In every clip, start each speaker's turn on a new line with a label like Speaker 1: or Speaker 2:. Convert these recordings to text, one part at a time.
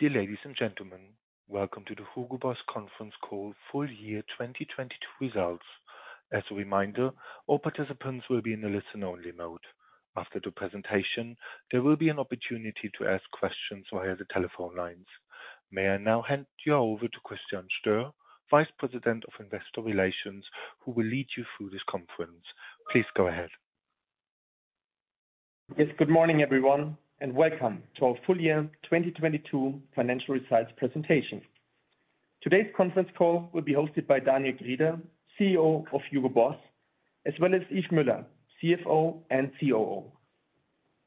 Speaker 1: Dear ladies and gentlemen, welcome to the Hugo Boss conference call, full year 2022 results. As a reminder, all participants will be in a listen-only mode. After the presentation, there will be an opportunity to ask questions via the telephone lines. May I now hand you over to Christian Stöhr, Vice President of Investor Relations, who will lead you through this conference. Please go ahead.
Speaker 2: Yes, good morning, everyone, and welcome to our full year 2022 financial results presentation. Today's conference call will be hosted by Daniel Grieder, CEO of Hugo Boss, as well as Yves Müller, CFO and COO.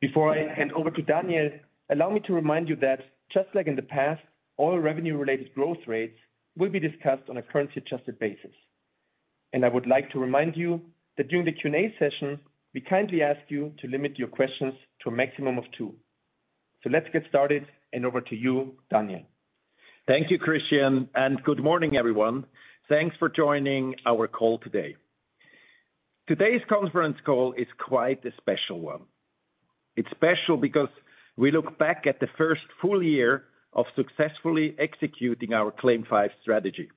Speaker 2: Before I hand over to Daniel, allow me to remind you that just like in the past, all revenue-related growth rates will be discussed on a currency-adjusted basis. I would like to remind you that during the Q&A session, we kindly ask you to limit your questions to a maximum of two. Let's get started, and over to you, Daniel.
Speaker 3: Thank you, Christian, good morning, everyone. Thanks for joining our call today. Today's conference call is quite a special one. It's special because we look back at the first full year of successfully executing our CLAIM 5 strategy.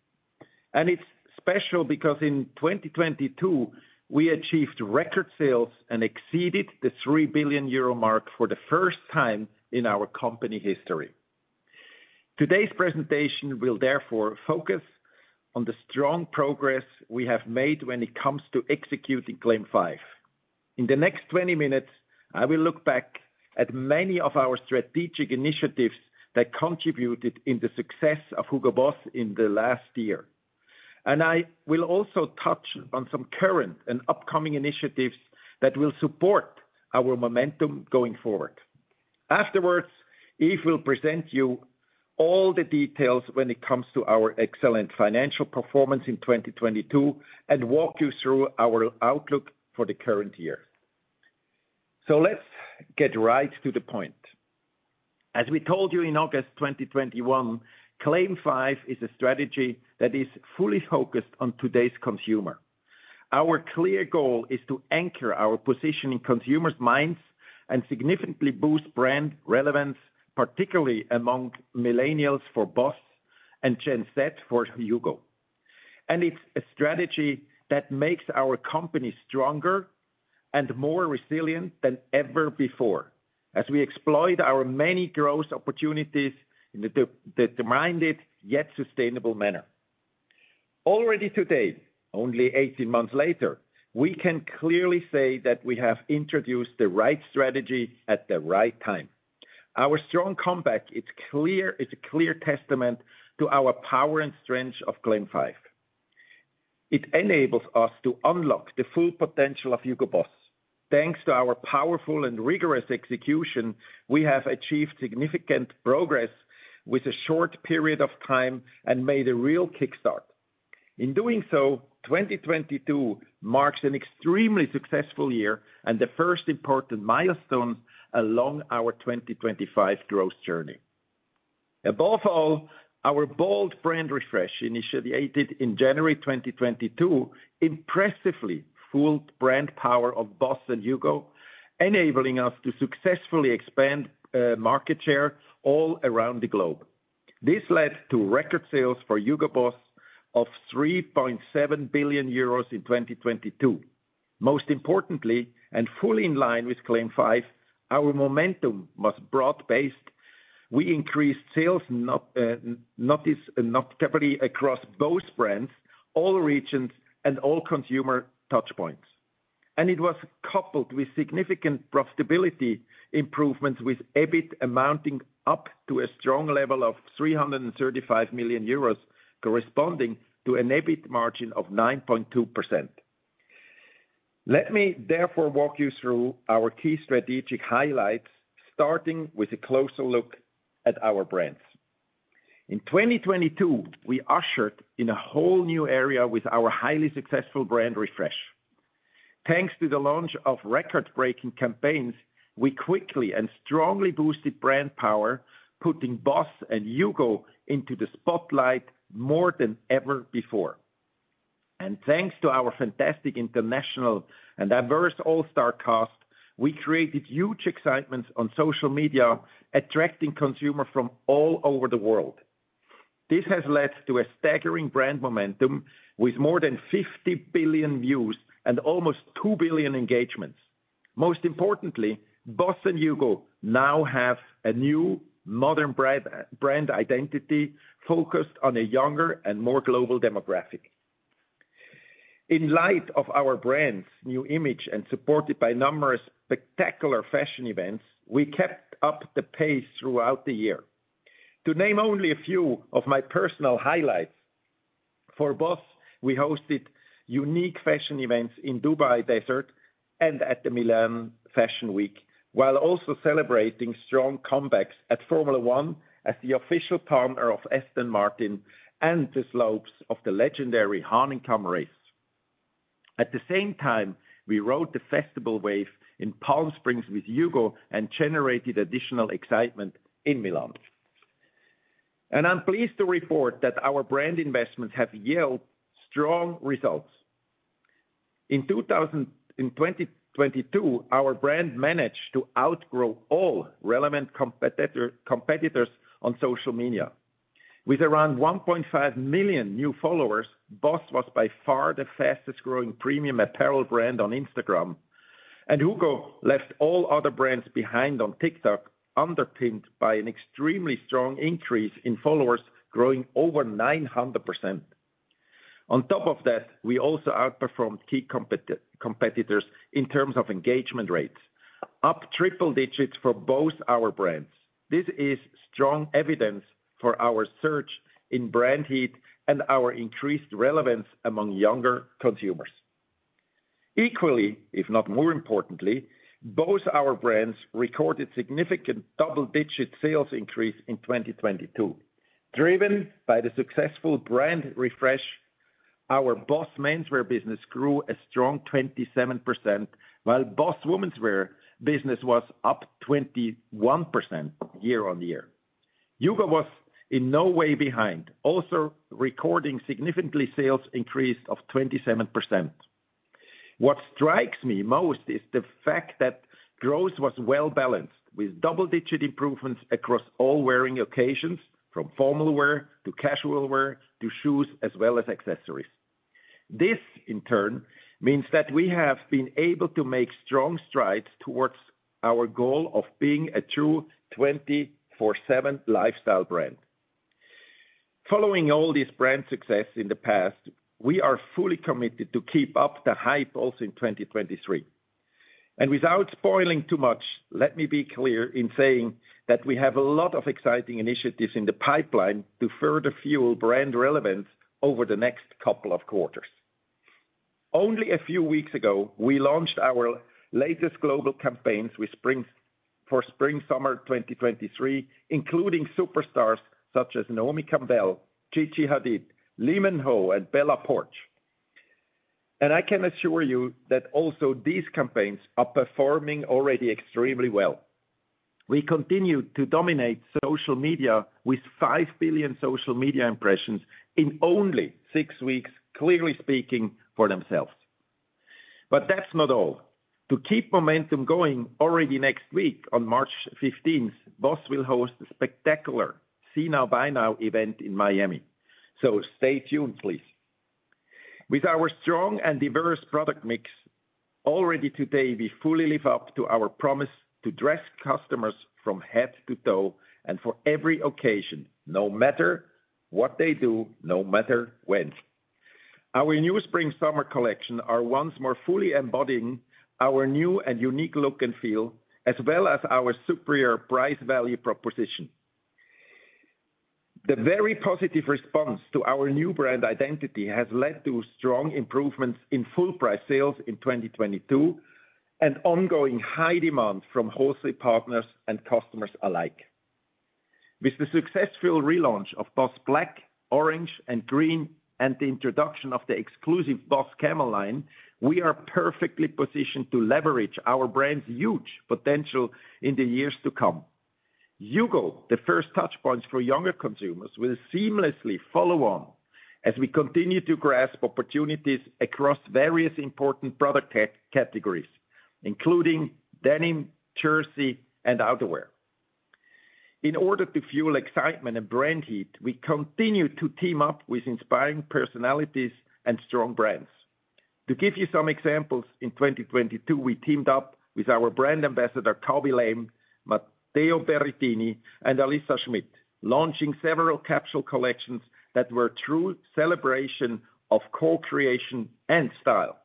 Speaker 3: It's special because in 2022, we achieved record sales and exceeded the 3 billion euro mark for the first time in our company history. Today's presentation will therefore focus on the strong progress we have made when it comes to executing CLAIM 5. In the next 20 minutes, I will look back at many of our strategic initiatives that contributed in the success of HUGO BOSS in the last year. I will also touch on some current and upcoming initiatives that will support our momentum going forward. Afterwards, Yves will present you all the details when it comes to our excellent financial performance in 2022 and walk you through our outlook for the current year. Let's get right to the point. As we told you in August 2021, CLAIM 5 is a strategy that is fully focused on today's consumer. Our clear goal is to anchor our position in consumers' minds and significantly boost brand relevance, particularly among millennials for BOSS and Gen Z for HUGO. It's a strategy that makes our company stronger and more resilient than ever before as we exploit our many growth opportunities in the determined yet sustainable manner. Already today, only 18 months later, we can clearly say that we have introduced the right strategy at the right time. Our strong comeback is a clear testament to our power and strength of CLAIM 5. It enables us to unlock the full potential of HUGO BOSS. Thanks to our powerful and rigorous execution, we have achieved significant progress with a short period of time and made a real kickstart. 2022 marks an extremely successful year and the first important milestone along our 2025 growth journey. Our bold brand refresh, initiated in January 2022, impressively fueled brand power of BOSS and HUGO, enabling us to successfully expand market share all around the globe. This led to record sales for Hugo Boss of 3.7 billion euros in 2022. Fully in line with CLAIM 5, our momentum was broad-based. We increased sales notably across both brands, all regions, and all consumer touch points. It was coupled with significant profitability improvements with EBIT amounting up to a strong level of 335 million euros corresponding to an EBIT margin of 9.2%. Let me therefore walk you through our key strategic highlights, starting with a closer look at our brands. In 2022, we ushered in a whole new era with our highly successful brand refresh. Thanks to the launch of record-breaking campaigns, we quickly and strongly boosted brand power, putting BOSS and HUGO into the spotlight more than ever before. Thanks to our fantastic international and diverse all-star cast, we created huge excitements on social media, attracting consumer from all over the world. This has led to a staggering brand momentum with more than 50 billion views and almost 2 billion engagements. Most importantly, BOSS and HUGO now have a new modern brand identity focused on a younger and more global demographic. In light of our brand's new image and supported by numerous spectacular fashion events, we kept up the pace throughout the year. To name only a few of my personal highlights, for BOSS, we hosted unique fashion events in Dubai desert and at the Milan Fashion Week, while also celebrating strong comebacks at Formula 1 as the official partner of Aston Martin and the slopes of the legendary Hahnenkamm Races. At the same time, we rode the festival wave in Palm Springs with HUGO and generated additional excitement in Milan. I'm pleased to report that our brand investments have yielded strong results. In 2022, our brand managed to outgrow all relevant competitors on social media. With around 1.5 million new followers, BOSS was by far the fastest growing premium apparel brand on Instagram. HUGO left all other brands behind on TikTok, underpinned by an extremely strong increase in followers, growing over 900%. On top of that, we also outperformed key competitors in terms of engagement rates, up triple digits for both our brands. This is strong evidence for our search in brand heat and our increased relevance among younger consumers. Equally, if not more importantly, both our brands recorded significant double-digit sales increase in 2022. Driven by the successful brand refresh, our BOSS menswear business grew a strong 27%, while BOSS womenswear business was up 21% year-on-year. HUGO was in no way behind, also recording significantly sales increase of 27%. What strikes me most is the fact that growth was well-balanced, with double-digit improvements across all wearing occasions, from formal wear to casual wear, to shoes, as well as accessories. This, in turn, means that we have been able to make strong strides towards our goal of being a true 24/7 lifestyle brand. Following all this brand success in the past, we are fully committed to keep up the hype also in 2023. Without spoiling too much, let me be clear in saying that we have a lot of exciting initiatives in the pipeline to further fuel brand relevance over the next couple of quarters. Only a few weeks ago, we launched our latest global campaigns for spring/summer 2023, including superstars such as Naomi Campbell, Gigi Hadid, Lee Min-Ho, and Bella Poarch. I can assure you that also these campaigns are performing already extremely well. We continue to dominate social media with 5 billion social media impressions in only six weeks, clearly speaking for themselves. That's not all. To keep momentum going already next week on March 15th, BOSS will host a spectacular see now, buy now event in Miami. Stay tuned, please. With our strong and diverse product mix, already today we fully live up to our promise to dress customers from head to toe and for every occasion, no matter what they do, no matter when. Our new spring/summer collection are once more fully embodying our new and unique look and feel, as well as our superior price-value proposition. The very positive response to our new brand identity has led to strong improvements in full price sales in 2022 and ongoing high demand from wholesale partners and customers alike. With the successful relaunch of BOSS Black, Orange, and Green, and the introduction of the exclusive BOSS Camel line, we are perfectly positioned to leverage our brand's huge potential in the years to come. HUGO, the first touchpoint for younger consumers, will seamlessly follow on as we continue to grasp opportunities across various important product categories, including denim, jersey, and outerwear. In order to fuel excitement and brand heat, we continue to team up with inspiring personalities and strong brands. To give you some examples, in 2022, we teamed up with our brand ambassador, Khaby Lame, Matteo Berrettini, and Alica Schmidt, launching several capsule collections that were true celebration of co-creation and style.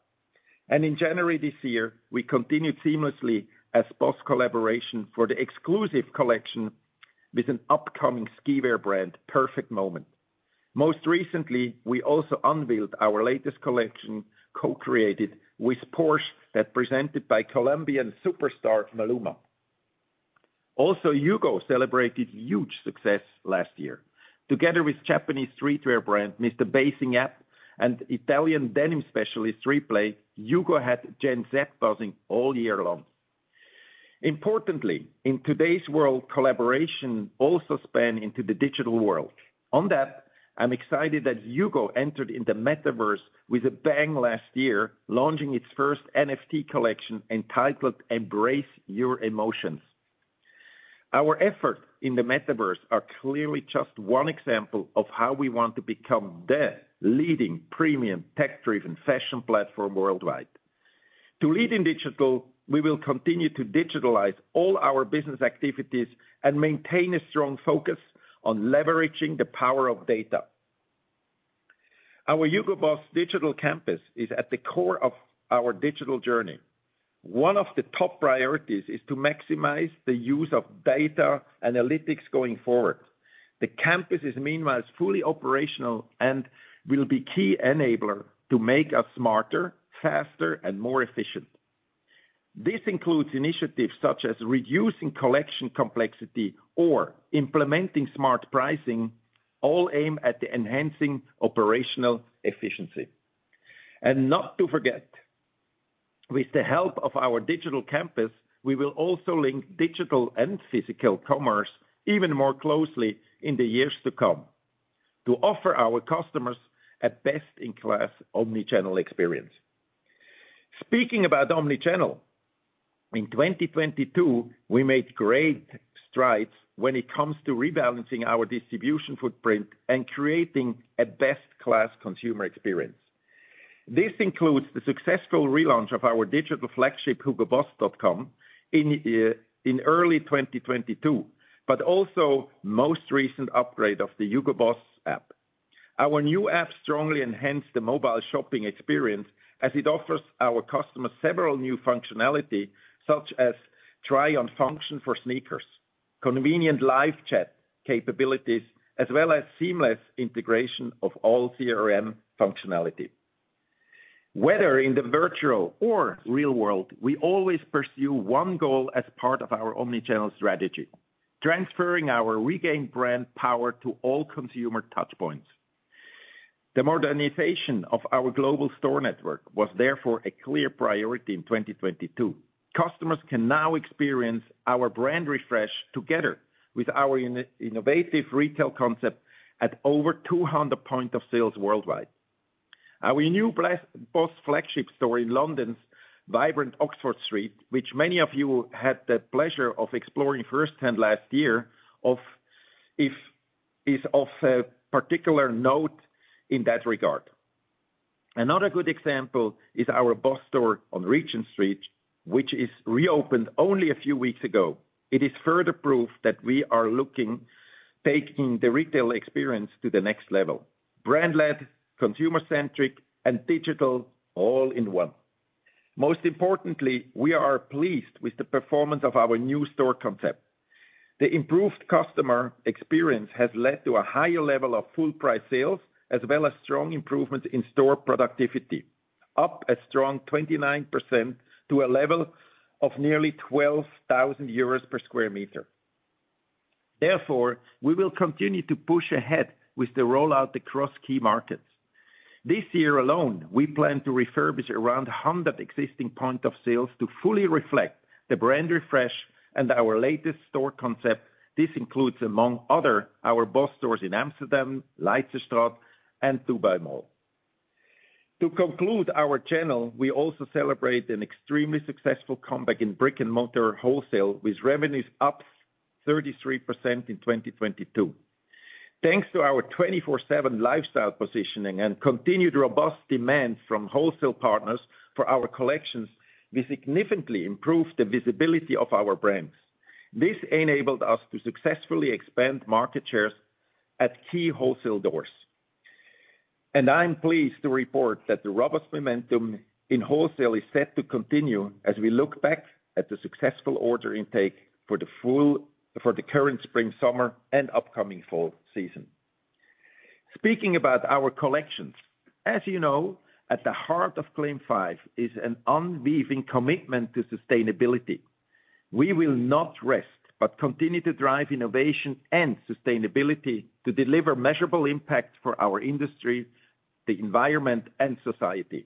Speaker 3: In January this year, we continued seamlessly as BOSS collaboration for the exclusive collection with an upcoming skiwear brand, Perfect Moment. Most recently, we also unveiled our latest collection co-created with Porsche, that presented by Colombian superstar Maluma. Also, HUGO celebrated huge success last year. Together with Japanese streetwear brand, A Bathing Ape, and Italian denim specialist Replay, HUGO had Gen Z buzzing all year long. Importantly, in today's world, collaboration also span into the digital world. On that, I'm excited that HUGO entered in the metaverse with a bang last year, launching its first NFT collection entitled Embrace Your Emotions. Our efforts in the metaverse are clearly just one example of how we want to become the leading premium tech-driven fashion platform worldwide. To lead in digital, we will continue to digitalize all our business activities and maintain a strong focus on leveraging the power of data. Our Hugo Boss digital campus is at the core of our digital journey. One of the top priorities is to maximize the use of data analytics going forward. The campus is meanwhile fully operational and will be key enabler to make us smarter, faster, and more efficient. This includes initiatives such as reducing collection complexity or implementing smart pricing, all aimed at enhancing operational efficiency. Not to forget, with the help of our digital campus, we will also link digital and physical commerce even more closely in the years to come to offer our customers a best-in-class omni-channel experience. Speaking about omni-channel, in 2022, we made great strides when it comes to rebalancing our distribution footprint and creating a best-class consumer experience. This includes the successful relaunch of our digital flagship, hugoboss.com in early 2022, also most recent upgrade of the HUGO BOSS app. Our new app strongly enhance the mobile shopping experience as it offers our customers several new functionality, such as try on function for sneakers, convenient live chat capabilities, as well as seamless integration of all CRM functionality. Whether in the virtual or real world, we always pursue one goal as part of our omni-channel strategy, transferring our regained brand power to all consumer touchpoints. The modernization of our global store network was therefore a clear priority in 2022. Customers can now experience our brand refresh together with our innovative retail concept at over 200 point of sales worldwide. Our new BOSS flagship store in London's vibrant Oxford Street, which many of you had the pleasure of exploring firsthand last year is of a particular note in that regard. Another good example is our BOSS store on Regent Street, which is reopened only a few weeks ago. It is further proof that we are looking, taking the retail experience to the next level, brand led, consumer centric, and digital all in one. Most importantly, we are pleased with the performance of our new store concept. The improved customer experience has led to a higher level of full price sales, as well as strong improvements in store productivity, up a strong 29% to a level of nearly 12,000 euros per square meter. Therefore, we will continue to push ahead with the rollout across key markets. This year alone, we plan to refurbish around 100 existing point of sales to fully reflect the brand refresh and our latest store concept. This includes, among other, our BOSS stores in Amsterdam, Leidsestraat, and Dubai Mall. To conclude our channel, we also celebrate an extremely successful comeback in brick-and-mortar wholesale with revenues up 33% in 2022. Thanks to our 24/7 lifestyle positioning and continued robust demand from wholesale partners for our collections, we significantly improved the visibility of our brands. This enabled us to successfully expand market shares at key wholesale doors. I'm pleased to report that the robust momentum in wholesale is set to continue as we look back at the successful order intake for the current spring/summer and upcoming fall season. Speaking about our collections, as you know, at the heart of CLAIM 5 is an unwavering commitment to sustainability. We will not rest but continue to drive innovation and sustainability to deliver measurable impact for our industry, the environment, and society.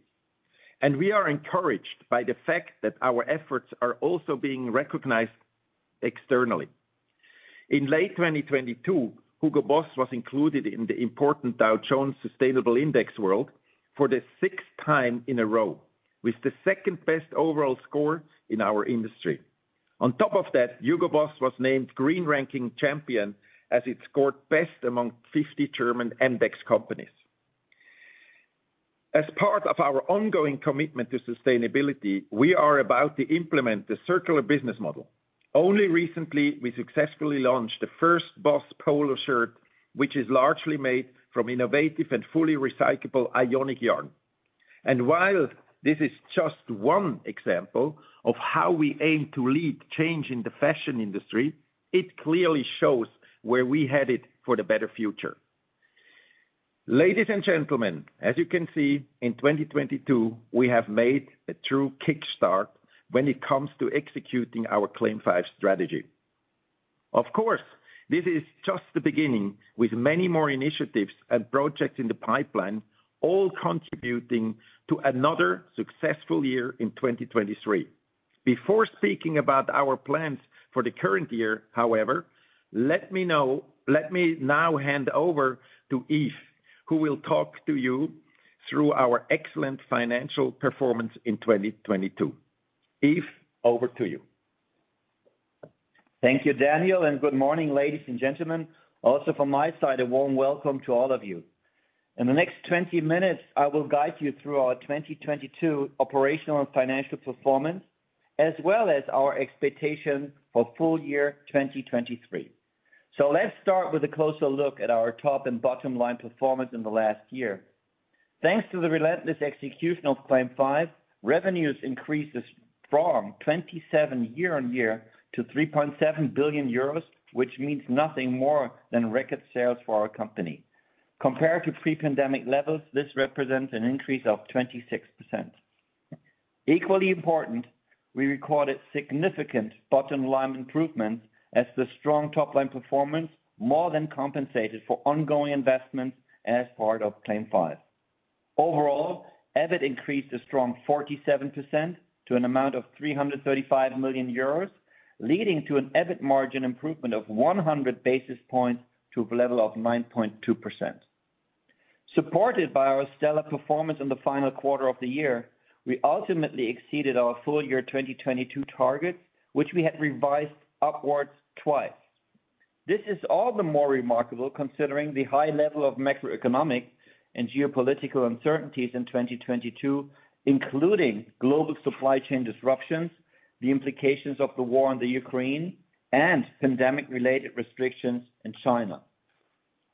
Speaker 3: We are encouraged by the fact that our efforts are also being recognized externally. In late 2022, HUGO BOSS was included in the important Dow Jones Sustainability Indices World for the sixth time in a row, with the second best overall score in our industry. On top of that, Hugo Boss was named green ranking champion as it scored best among 50 German index companies. As part of our ongoing commitment to sustainability, we are about to implement the circular business model. Only recently, we successfully launched the first BOSS polo shirt, which is largely made from innovative and fully recyclable AeoniQ yarn. While this is just one example of how we aim to lead change in the fashion industry, it clearly shows where we headed for the better future. Ladies and gentlemen, as you can see, in 2022, we have made a true kickstart when it comes to executing our CLAIM 5 strategy. Of course, this is just the beginning with many more initiatives and projects in the pipeline, all contributing to another successful year in 2023. Before speaking about our plans for the current year, however, let me now hand over to Yves, who will talk to you through our excellent financial performance in 2022. Yves, over to you.
Speaker 4: Thank you, Daniel, and good morning, ladies and gentlemen. Also from my side, a warm welcome to all of you. In the next 20 minutes, I will guide you through our 2022 operational and financial performance, as well as our expectation for full year 2023. Let's start with a closer look at our top and bottom line performance in the last year. Thanks to the relentless execution of CLAIM 5, revenues increased 27% year-on-year to 3.7 billion euros, which means nothing more than record sales for our company. Compared to pre-pandemic levels, this represents an increase of 26%. Equally important, we recorded significant bottom line improvements as the strong top-line performance more than compensated for ongoing investments as part of CLAIM 5. Overall, EBIT increased a strong 47% to an amount of 335 million euros, leading to an EBIT margin improvement of 100 basis points to a level of 9.2%. Supported by our stellar performance in the final quarter of the year, we ultimately exceeded our full year 2022 targets, which we had revised upwards twice. This is all the more remarkable considering the high level of macroeconomic and geopolitical uncertainties in 2022, including global supply chain disruptions, the implications of the war in Ukraine, and pandemic-related restrictions in China.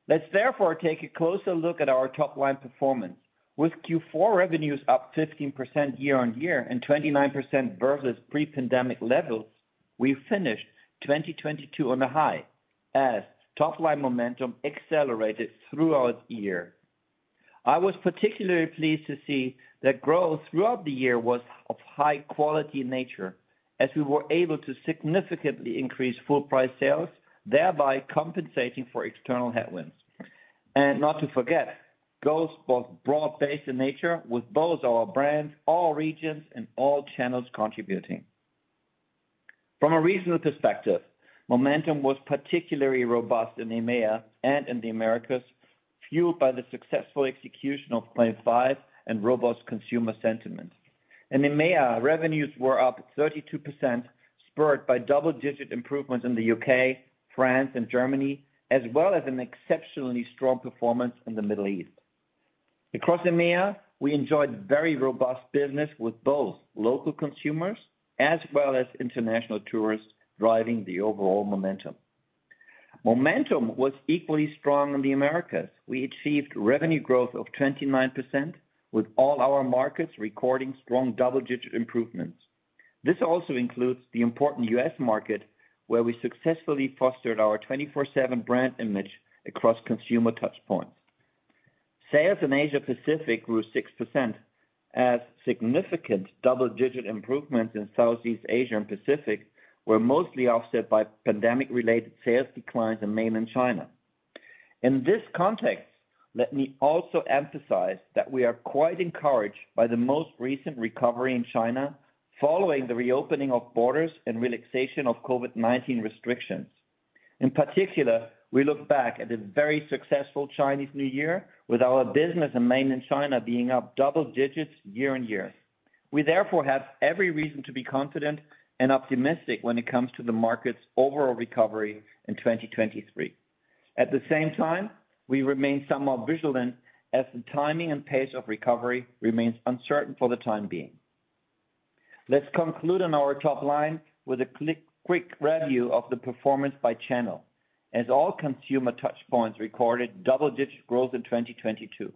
Speaker 4: Let's therefore take a closer look at our top-line performance. With Q4 revenues up 15% year-on-year and 29% versus pre-pandemic levels, we finished 2022 on a high, as top-line momentum accelerated throughout the year. I was particularly pleased to see that growth throughout the year was of high quality in nature, as we were able to significantly increase full price sales, thereby compensating for external headwinds. Not to forget, growth was broad-based in nature, with both our brands, all regions, and all channels contributing. From a regional perspective, momentum was particularly robust in EMEA and in the Americas, fueled by the successful execution of CLAIM 5 and robust consumer sentiment. In EMEA, revenues were up 32%, spurred by double-digit improvements in the UK, France, and Germany, as well as an exceptionally strong performance in the Middle East. Across EMEA, we enjoyed very robust business with both local consumers as well as international tourists driving the overall momentum. Momentum was equally strong in the Americas. We achieved revenue growth of 29% with all our markets recording strong double-digit improvements. This also includes the important U.S. market, where we successfully fostered our 24/7 brand image across consumer touch points. Sales in Asia Pacific grew 6% as significant double-digit improvements in Southeast Asia and Pacific were mostly offset by pandemic-related sales declines in Mainland China. In this context, let me also emphasize that we are quite encouraged by the most recent recovery in China following the reopening of borders and relaxation of COVID-19 restrictions. In particular, we look back at a very successful Chinese New Year with our business in Mainland China being up double digits year on year. We therefore have every reason to be confident and optimistic when it comes to the market's overall recovery in 2023. At the same time, we remain somewhat vigilant as the timing and pace of recovery remains uncertain for the time being. Let's conclude on our top line with a quick review of the performance by channel as all consumer touch points recorded double-digit growth in 2022.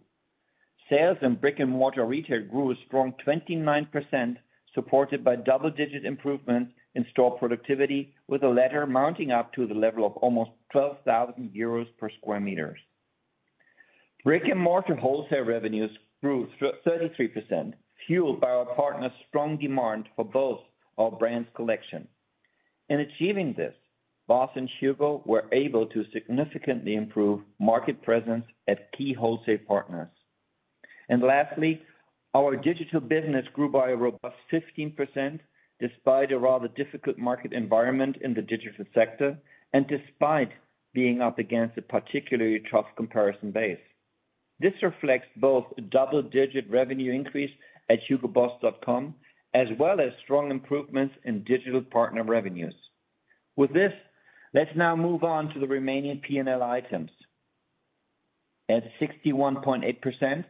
Speaker 4: Sales in brick-and-mortar retail grew a strong 29%, supported by double-digit improvements in store productivity, with the latter mounting up to the level of almost 12,000 euros per square meters. Brick-and-mortar wholesale revenues grew 33%, fueled by our partners' strong demand for both our brands collection. In achieving this, BOSS and HUGO were able to significantly improve market presence at key wholesale partners. Lastly, our digital business grew by a robust 15% despite a rather difficult market environment in the digital sector and despite being up against a particularly tough comparison base. This reflects both a double-digit revenue increase at hugoboss.com, as well as strong improvements in digital partner revenues. With this, let's now move on to the remaining P&L items. At 61.8%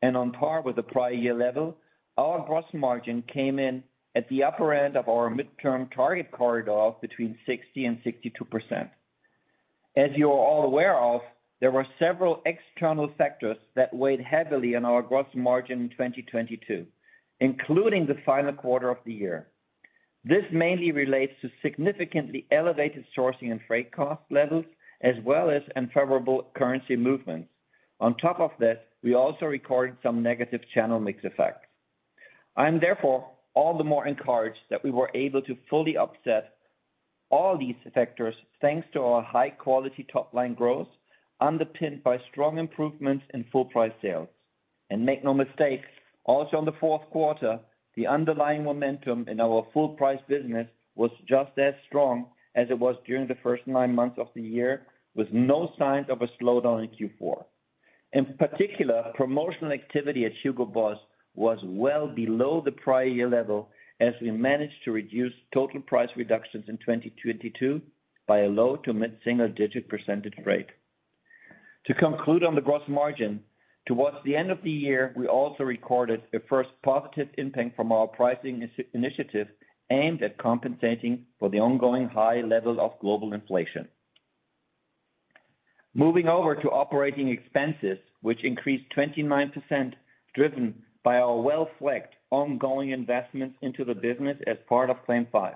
Speaker 4: and on par with the prior year level, our gross margin came in at the upper end of our midterm target corridor between 60%-62%. As you are all aware of, there were several external factors that weighed heavily on our gross margin in 2022, including the final quarter of the year. This mainly relates to significantly elevated sourcing and freight cost levels as well as unfavorable currency movements. On top of this, we also recorded some negative channel mix effects. I am therefore all the more encouraged that we were able to fully offset all these factors thanks to our high-quality top-line growth underpinned by strong improvements in full price sales. Make no mistake, also in the fourth quarter, the underlying momentum in our full price business was just as strong as it was during the first nine months of the year, with no signs of a slowdown in Q4. In particular, promotional activity at HUGO BOSS was well below the prior year level as we managed to reduce total price reductions in 2022 by a low to mid-single digit % rate. To conclude on the gross margin, towards the end of the year, we also recorded a first positive impact from our pricing initiative aimed at compensating for the ongoing high level of global inflation. Moving over to operating expenses, which increased 29%, driven by our well-flagged ongoing investments into the business as part of CLAIM 5.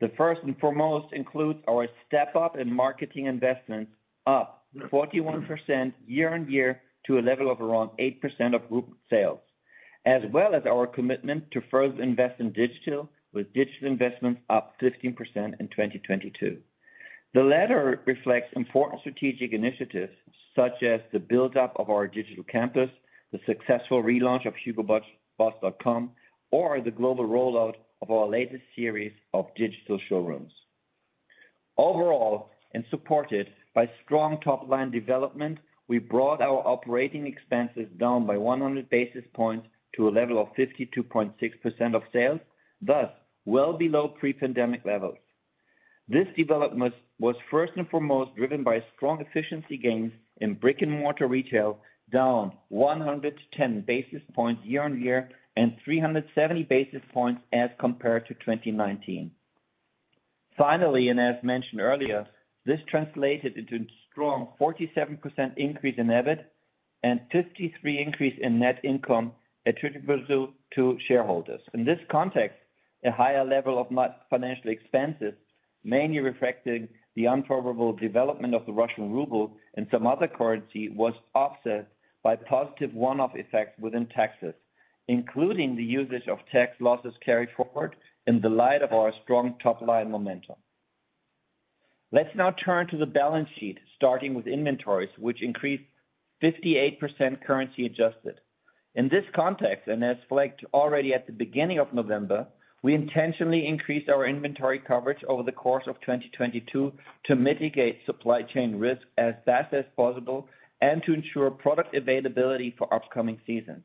Speaker 4: The first and foremost includes our step up in marketing investment up 41% year-on-year to a level of around 8% of group sales, as well as our commitment to further invest in digital, with digital investments up 15% in 2022. The latter reflects important strategic initiatives such as the buildup of our digital campus, the successful relaunch of hugoboss.com or the global rollout of our latest series of digital showrooms. Overall, and supported by strong top line development, we brought our operating expenses down by 100 basis points to a level of 52.6% of sales, thus well below pre-pandemic levels. This development was first and foremost driven by strong efficiency gains in brick-and-mortar retail, down 110 basis points year-over-year and 370 basis points as compared to 2019. Finally, as mentioned earlier, this translated into a strong 47% increase in EBIT and 53% increase in net income attributable to shareholders. In this context, a higher level of financially expenses, mainly reflecting the unfavorable development of the Russian ruble and some other currency was offset by positive one-off effects within taxes, including the usage of tax losses carried forward in the light of our strong top-line momentum. Let's now turn to the balance sheet, starting with inventories which increased 58% currency adjusted. In this context, and as flagged already at the beginning of November, we intentionally increased our inventory coverage over the course of 2022 to mitigate supply chain risk as fast as possible and to ensure product availability for upcoming seasons.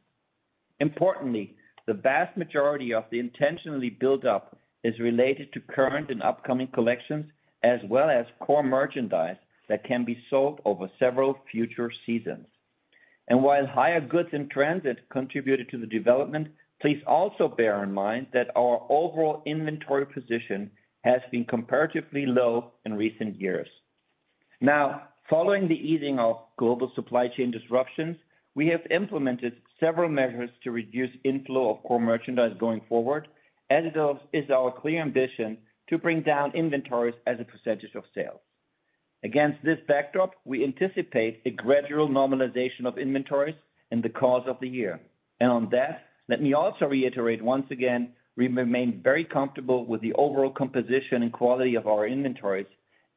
Speaker 4: Importantly, the vast majority of the intentionally build-up is related to current and upcoming collections as well as core merchandise that can be sold over several future seasons. While higher goods in transit contributed to the development, please also bear in mind that our overall inventory position has been comparatively low in recent years. Now, following the easing of global supply chain disruptions, we have implemented several measures to reduce inflow of core merchandise going forward, as it is our clear ambition to bring down inventories as a percentage of sales. Against this backdrop, we anticipate a gradual normalization of inventories in the course of the year. On that, let me also reiterate once again, we remain very comfortable with the overall composition and quality of our inventories,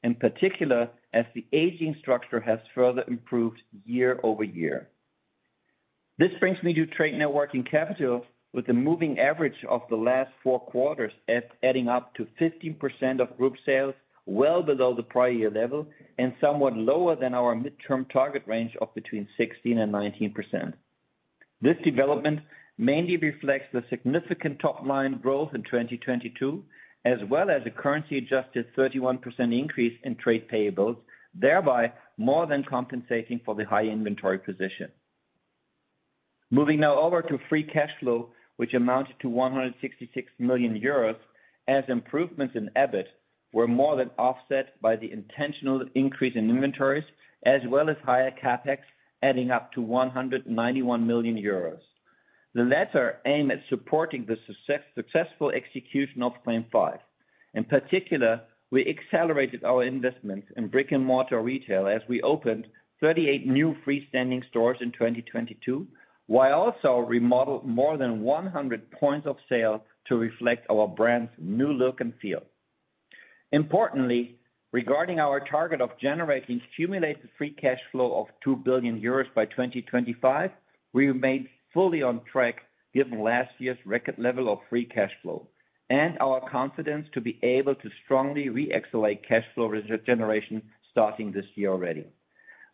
Speaker 4: in particular as the aging structure has further improved year-over-year. This brings me to trade network and capital with a moving average of the last four quarters as adding up to 15% of group sales well below the prior year level and somewhat lower than our midterm target range of between 16% and 19%. This development mainly reflects the significant top line growth in 2022, as well as a currency adjusted 31% increase in trade payables, thereby more than compensating for the high inventory position. Moving now over to free cash flow, which amounted to 166 million euros as improvements in EBIT were more than offset by the intentional increase in inventories as well as higher CapEx, adding up to 191 million euros. The latter aim at supporting the successful execution of CLAIM 5. In particular, we accelerated our investments in brick-and-mortar retail as we opened 38 new freestanding stores in 2022, while also remodeled more than 100 points of sale to reflect our brand's new look and feel. Importantly, regarding our target of generating cumulative free cash flow of 2 billion euros by 2025, we remain fully on track given last year's record level of free cash flow and our confidence to be able to strongly reaccelerate cash flow generation starting this year already.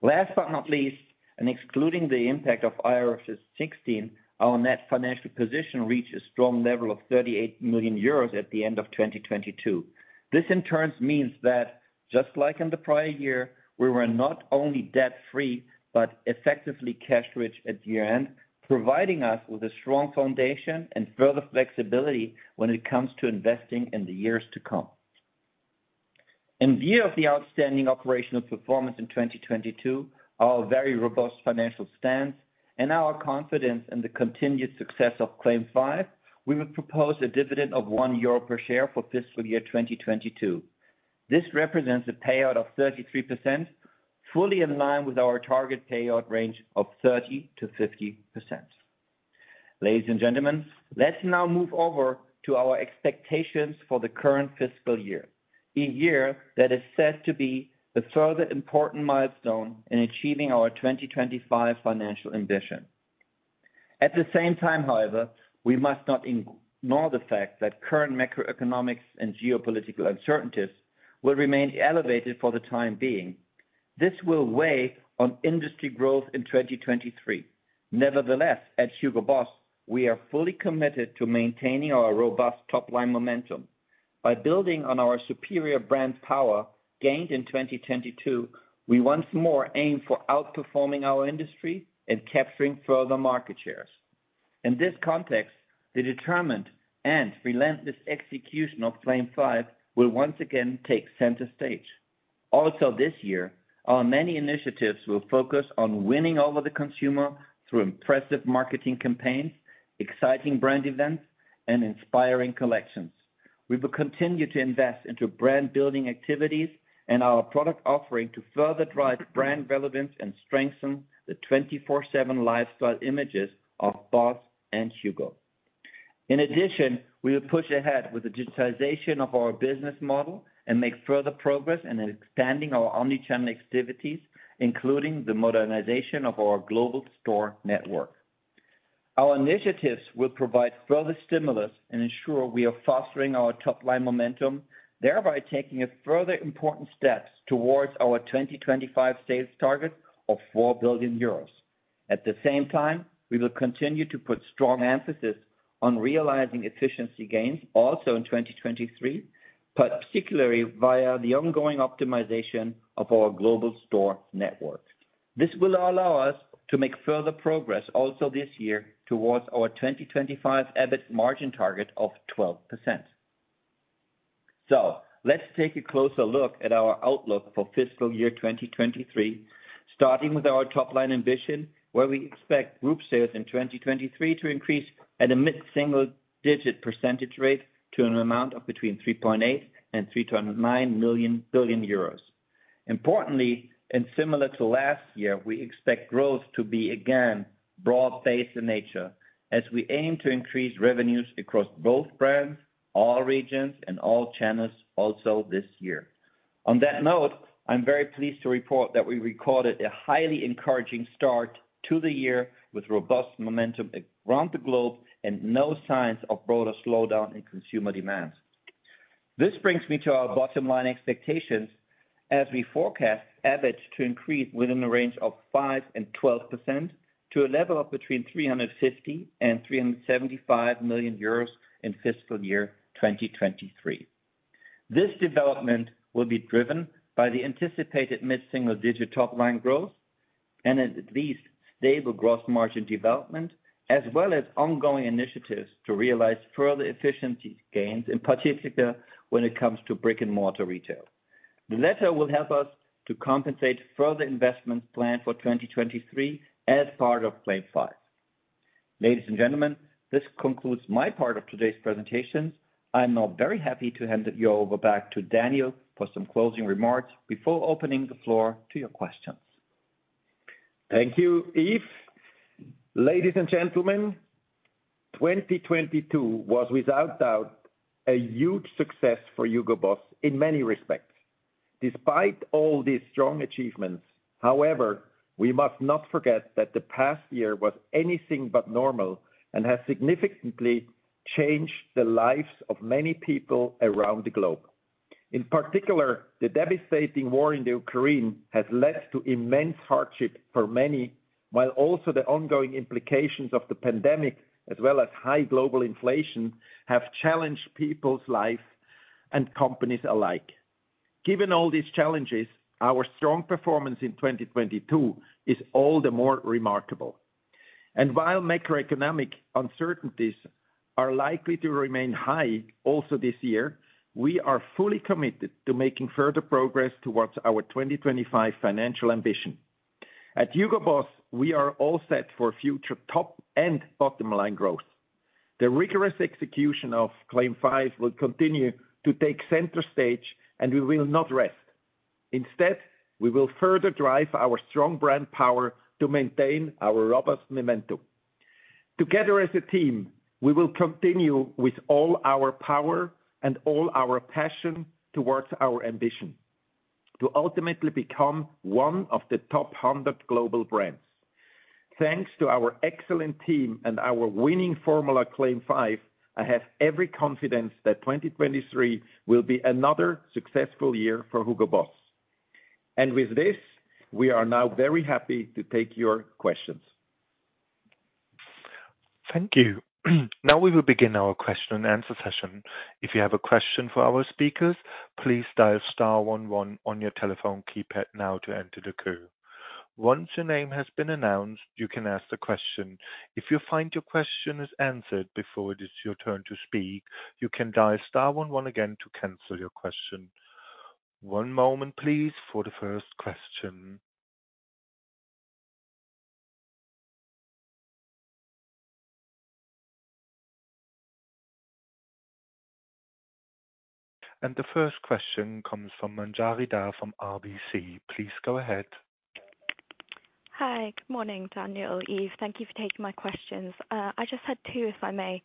Speaker 4: Last but not least, and excluding the impact of IFRS 16, our net financial position reached a strong level of 38 million euros at the end of 2022. This in turn means that just like in the prior year, we were not only debt free, but effectively cash rich at year-end, providing us with a strong foundation and further flexibility when it comes to investing in the years to come. In view of the outstanding operational performance in 2022, our very robust financial stance and our confidence in the continued success of CLAIM 5, we will propose a dividend of 1 euro per share for fiscal year 2022. This represents a payout of 33% fully in line with our target payout range of 30%-50%. Ladies and gentlemen, let's now move over to our expectations for the current fiscal year, a year that is set to be a further important milestone in achieving our 2025 financial ambition. However, we must not ignore the fact that current macroeconomics and geopolitical uncertainties will remain elevated for the time being. This will weigh on industry growth in 2023. Nevertheless, at HUGO BOSS, we are fully committed to maintaining our robust top line momentum. By building on our superior brand power gained in 2022, we once more aim for outperforming our industry and capturing further market shares. In this context, the determined and relentless execution of CLAIM 5 will once again take center stage. Also this year, our many initiatives will focus on winning over the consumer through impressive marketing campaigns, exciting brand events, and inspiring collections. We will continue to invest into brand-building activities and our product offering to further drive brand relevance and strengthen the 24/7 lifestyle images of BOSS and HUGO. In addition, we will push ahead with the digitization of our business model and make further progress in expanding our omni-channel activities, including the modernization of our global store network. Our initiatives will provide further stimulus and ensure we are fostering our top-line momentum, thereby taking a further important steps towards our 2025 sales target of 4 billion euros. At the same time, we will continue to put strong emphasis on realizing efficiency gains also in 2023, particularly via the ongoing optimization of our global store network. This will allow us to make further progress also this year towards our 2025 EBIT margin target of 12%. Le2t's take a closer look at our outlook for fiscal year 2023, starting with our top line ambition, where we expect group sales in 2023 to increase at a mid-single digit % rate to an amount of between 3.8 billion euros and 3.9 billion euros. Importantly, and similar to last year, we expect growth to be again broad-based in nature as we aim to increase revenues across both brands, all regions and all channels also this year. On that note, I'm very pleased to report that we recorded a highly encouraging start to the year with robust momentum around the globe and no signs of broader slowdown in consumer demands. This brings me to our bottom-line expectations as we forecast EBIT to increase within a range of 5% and 12% to a level of between 350 million and 375 million euros in fiscal year 2023. This development will be driven by the anticipated mid-single-digit top line growth and at least stable gross margin development, as well as ongoing initiatives to realize further efficiency gains, in particular when it comes to brick-and-mortar retail. The latter will help us to compensate further investments planned for 2023 as part of CLAIM 5. Ladies and gentlemen, this concludes my part of today's presentations. I'm now very happy to hand you over back to Daniel for some closing remarks before opening the floor to your questions.
Speaker 3: Thank you, Yves. Ladies and gentlemen, 2022 was without doubt a huge success for Hugo Boss in many respects. Despite all these strong achievements, however, we must not forget that the past year was anything but normal and has significantly changed the lives of many people around the globe. In particular, the devastating war in Ukraine has led to immense hardship for many, while also the ongoing implications of the pandemic, as well as high global inflation, have challenged people's life and companies alike. Given all these challenges, our strong performance in 2022 is all the more remarkable. While macroeconomic uncertainties are likely to remain high also this year, we are fully committed to making further progress towards our 2025 financial ambition. At HUGO BOSS, we are all set for future top and bottom line growth. The rigorous execution of CLAIM 5 will continue to take center stage. We will not rest. Instead, we will further drive our strong brand power to maintain our robust momentum. Together as a team, we will continue with all our power and all our passion towards our ambition to ultimately become one of the top 100 global brands. Thanks to our excellent team and our winning formula, CLAIM 5, I have every confidence that 2023 will be another successful year for Hugo Boss. With this, we are now very happy to take your questions.
Speaker 1: Thank you. Now we will begin our question and answer session. If you have a question for our speakers, please dial star one one on your telephone keypad now to enter the queue. Once your name has been announced, you can ask the question. If you find your question is answered before it is your turn to speak, you can dial star one one again to cancel your question. One moment please, for the first question. The first question comes from Manjari Dhar from RBC. Please go ahead.
Speaker 5: Hi. Good morning, Daniel, Yves. Thank you for taking my questions. I just had two, if I may.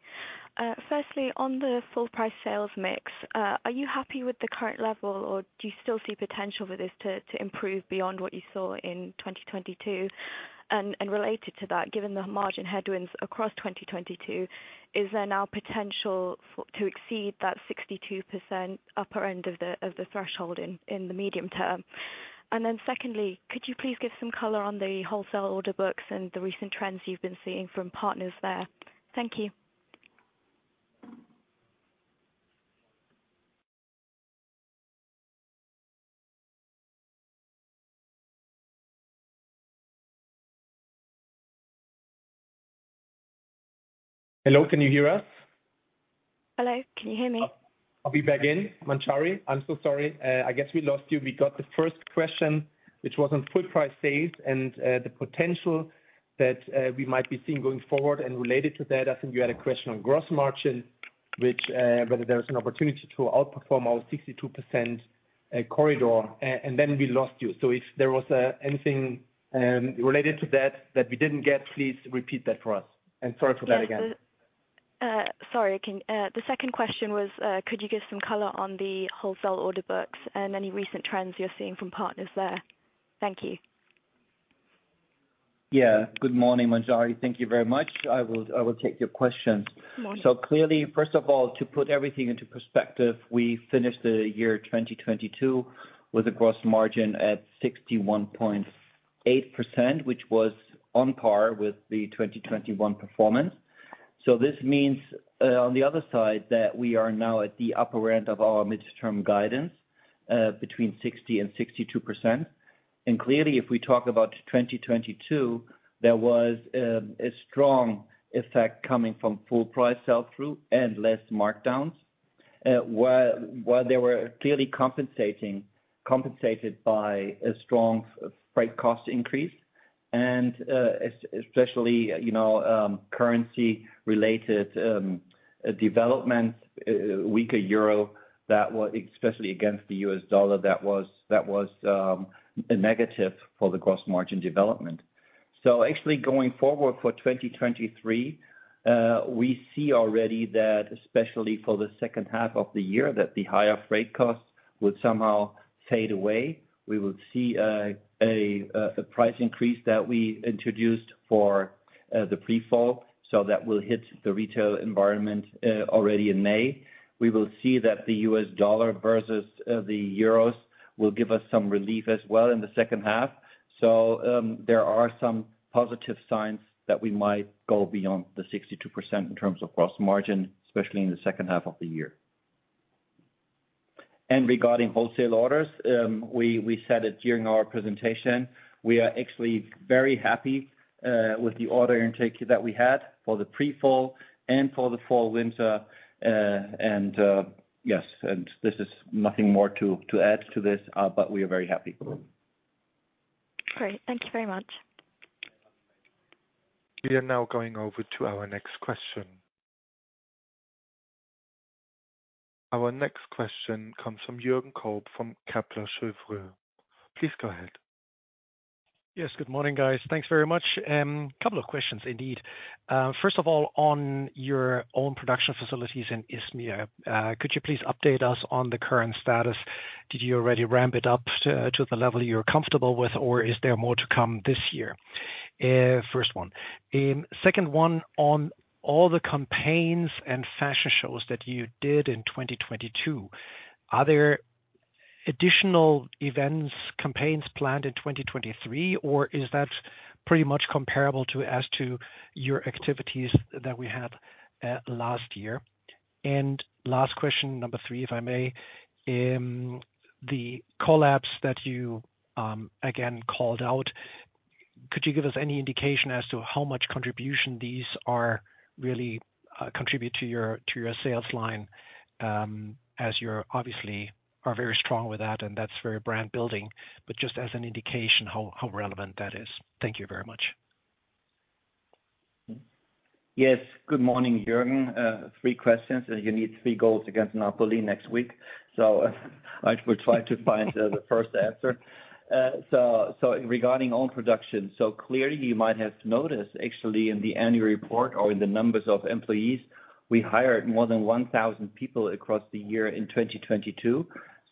Speaker 5: Firstly, on the full price sales mix, are you happy with the current level, or do you still see potential for this to improve beyond what you saw in 2022? Related to that, given the margin headwinds across 2022, is there now potential to exceed that 62% upper end of the threshold in the medium term? Secondly, could you please give some color on the wholesale order books and the recent trends you've been seeing from partners there? Thank you.
Speaker 4: Hello, can you hear us?
Speaker 5: Hello, can you hear me?
Speaker 4: I'll be back in. Manjari, I'm so sorry. I guess we lost you. We got the first question, which was on full price sales and, the potential that, we might be seeing going forward. Related to that, I think you had a question on gross margin, which, whether there was an opportunity to outperform our 62% corridor, and then we lost you. If there was, anything, related to that that we didn't get, please repeat that for us. Sorry for that again.
Speaker 5: Yes. Sorry. The second question was, could you give some color on the wholesale order books and any recent trends you're seeing from partners there? Thank you.
Speaker 4: Yeah. Good morning, Manjari. Thank you very much. I will take your question.
Speaker 5: Morning.
Speaker 4: Clearly, first of all, to put everything into perspective, we finished the year 2022 with a gross margin at 61.8%, which was on par with the 2021 performance. This means, on the other side, that we are now at the upper end of our midterm guidance, between 60%-62%. Clearly, if we talk about 2022, there was a strong effect coming from full price sell-through and less markdowns. While they were clearly compensating, compensated by a strong freight cost increase and especially, you know, currency related development, weaker Euro that was especially against the US dollar that was a negative for the gross margin development. Actually going forward for 2023, we see already that especially for the second half of the year, that the higher freight costs would somehow fade away. We will see a price increase that we introduced for the pre-fall, so that will hit the retail environment already in May. We will see that the US dollar versus the euros will give us some relief as well in the second half. There are some positive signs that we might go beyond the 62% in terms of gross margin, especially in the second half of the year. Regarding wholesale orders, we said it during our presentation, we are actually very happy with the order intake that we had for the pre-fall and for the fall/winter. Yes, and this is nothing more to add to this, but we are very happy.
Speaker 5: Great. Thank you very much.
Speaker 1: We are now going over to our next question. Our next question comes from Jürgen Kolb, from Kepler Cheuvreux. Please go ahead.
Speaker 6: Yes, good morning, guys. Thanks very much. Couple of questions indeed. First of all, on your own production facilities in Izmir, could you please update us on the current status? Did you already ramp it up to the level you're comfortable with, or is there more to come this year? First one. Second one, on all the campaigns and fashion shows that you did in 2022, are there additional events, campaigns planned in 2023, or is that pretty much comparable to as to your activities that we had last year? Last question, number three, if I may. The collabs that you again called out, could you give us any indication as to how much contribution these are really contribute to your sales line, as you're obviously are very strong with that and that's very brand building, but just as an indication how relevant that is. Thank you very much.
Speaker 4: Yes. Good morning, Jürgen. three questions, and you need three goals against Napoli next week. I will try to find the first answer. Regarding own production, so clearly you might have noticed actually in the annual report or in the numbers of employees, we hired more than 1,000 people across the year in 2022.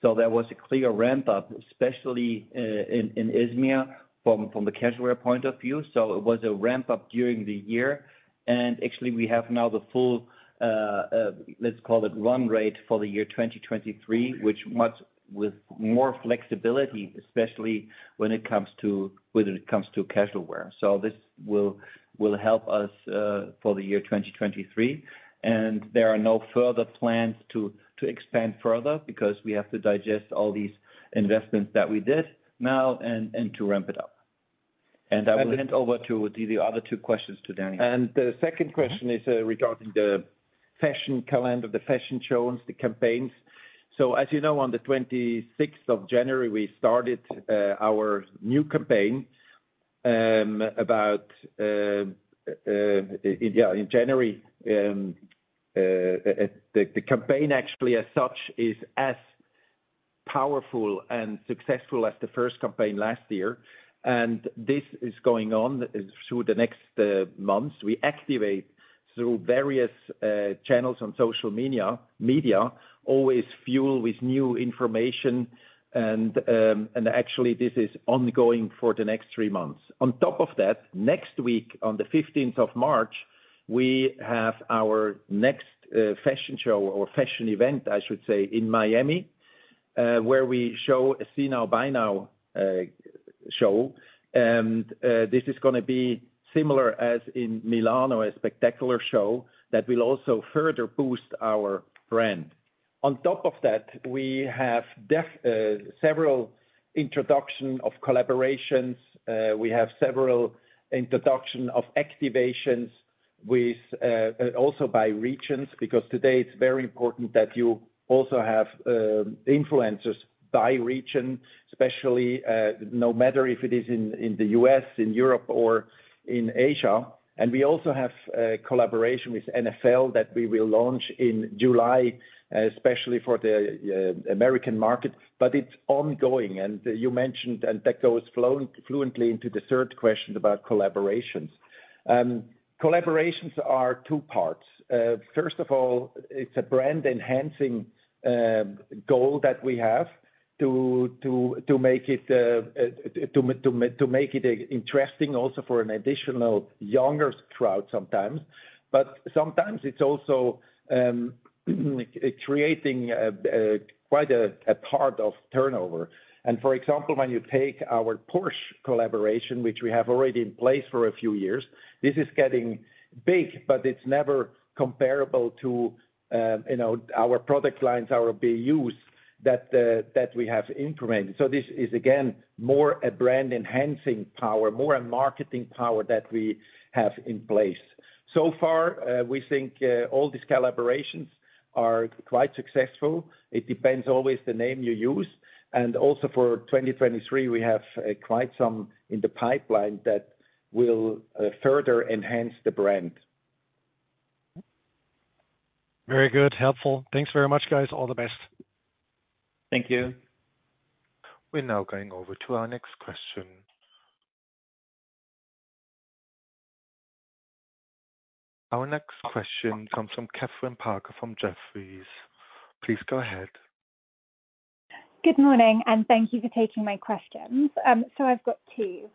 Speaker 4: There was a clear ramp up, especially in Izmir from the casual wear point of view. It was a ramp up during the year. Actually we have now the full, let's call it run rate for the year 2023, which much with more flexibility, especially when it comes to casual wear. This will help us for the year 2023. There are no further plans to expand further because we have to digest all these investments that we did now and to ramp it up. I will hand over to the other two questions to Daniel.
Speaker 3: The second question is regarding the fashion calendar, the fashion shows, the campaigns. As you know, on the 26th of January, we started our new campaign about in January. The campaign actually as such is as powerful and successful as the first campaign last year. This is going on through the next months. On top of that, next week on the 15th of March, we have our next fashion show or fashion event, I should say, in Miami, where we show a see now, buy now show. This is gonna be similar as in Milano, a spectacular show that will also further boost our brand.
Speaker 4: On top of that, we have several introduction of collaborations. We have several introduction of activations with also by regions, because today it's very important that you also have influencers by region especially, no matter if it is in the U.S., in Europe or in Asia. We also have a collaboration with NFL that we will launch in July, especially for the American market, but it's ongoing. You mentioned, and that goes fluently into the third question about collaborations. Collaborations are two parts. First of all, it's a brand enhancing goal that we have to make it interesting also for an additional younger crowd sometimes, but sometimes it's also creating quite a part of turnover. For example, when you take our Porsche collaboration, which we have already in place for a few years, this is getting big, but it's never comparable to, you know, our product lines, our BUs that we have implemented. This is again, more a brand enhancing power, more a marketing power that we have in place. So far, we think, all these collaborations are quite successful. It depends always the name you use. Also for 2023, we have, quite some in the pipeline that will, further enhance the brand.
Speaker 6: Very good. Helpful. Thanks very much, guys. All the best.
Speaker 4: Thank you.
Speaker 1: We're now going over to our next question. Our next question comes from Kathryn Parker from Jefferies. Please go ahead.
Speaker 7: Good morning, thank you for taking my questions. I've got two.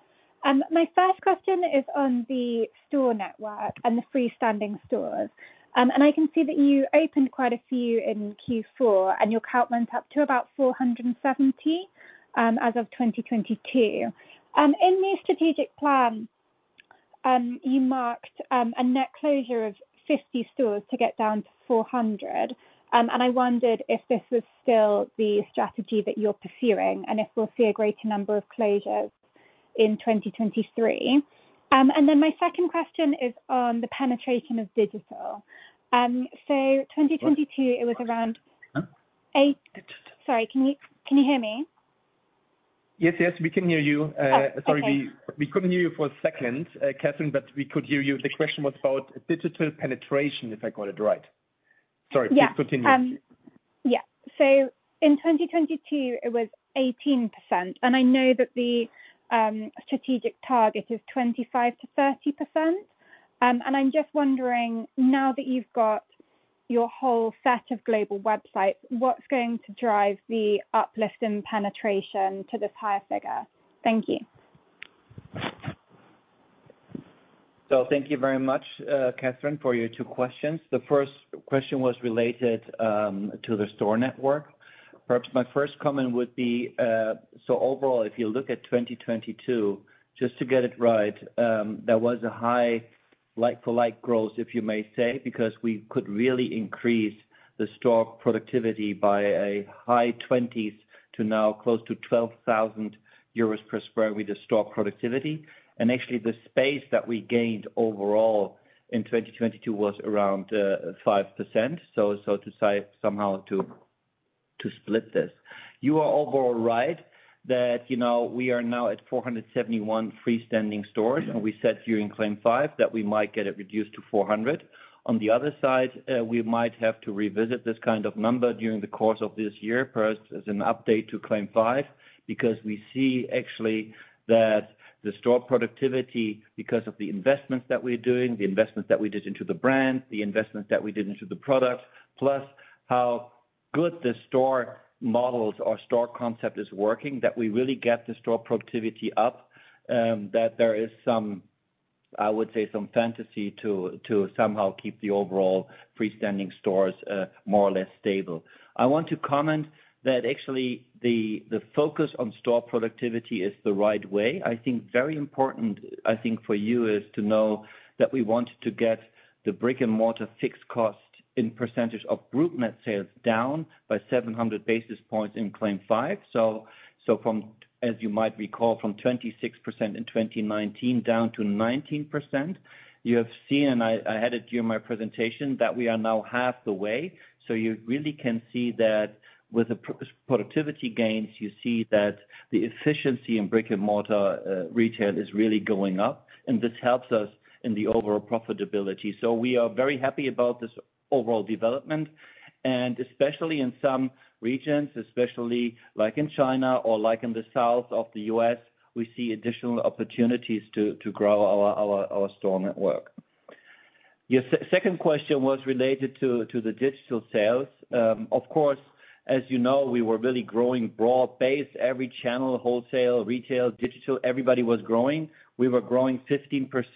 Speaker 7: My first question is on the store network and the freestanding stores. I can see that you opened quite a few in Q4, and your count went up to about 470 as of 2022. In the strategic plan, you marked a net closure of 50 stores to get down to 400. I wondered if this is still the strategy that you're pursuing, and if we'll see a greater number of closures in 2023. My second question is on the penetration of digital. 2022, it was.
Speaker 4: Huh?
Speaker 7: Sorry, can you hear me?
Speaker 4: Yes, we can hear you.
Speaker 7: Oh, okay.
Speaker 4: Sorry, we couldn't hear you for a second, Kathryn, but we could hear you. The question was about digital penetration, if I got it right. Sorry.
Speaker 7: Yeah.
Speaker 4: Please continue.
Speaker 7: In 2022, it was 18%, and I know that the strategic target is 25%-30%. I'm just wondering, now that you've got your whole set of global websites, what's going to drive the uplift in penetration to this higher figure? Thank you.
Speaker 4: Thank you very much, Kathryn, for your two questions. The first question was related to the store network. Perhaps my first comment would be, overall, if you look at 2022, just to get it right, there was a high like for like growth, if you may say, because we could really increase the store productivity by a high twenties to now close to 12,000 euros per square with the store productivity. Actually, the space that we gained overall in 2022 was around 5%, so to say, somehow to split this. You are overall right that, you know, we are now at 471 freestanding stores, and we said during CLAIM 5 that we might get it reduced to 400. On the other side, we might have to revisit this kind of number during the course of this year first as an update to CLAIM 5 because we see actually that the store productivity, because of the investments that we're doing, the investments that we did into the brand, the investments that we did into the product, plus how good the store models or store concept is working, that we really get the store productivity up, that there is some, I would say, some fantasy to somehow keep the overall freestanding stores more or less stable. I want to comment that actually the focus on store productivity is the right way. Very important, I think, for you is to know that we want to get the brick-and-mortar fixed cost in percentage of group net sales down by 700 basis points in CLAIM 5. From, as you might recall, from 26% in 2019 down to 19%. You have seen, and I had it during my presentation, that we are now half the way. You really can see that with the pro-productivity gains, you see that the efficiency in brick-and-mortar retail is really going up, and this helps us in the overall profitability. We are very happy about this overall development, and especially in some regions, especially like in China or like in the South of the U.S., we see additional opportunities to grow our store network. Your second question was related to the digital sales. Of course, as you know, we were really growing broad-based, every channel, wholesale, retail, digital, everybody was growing. We were growing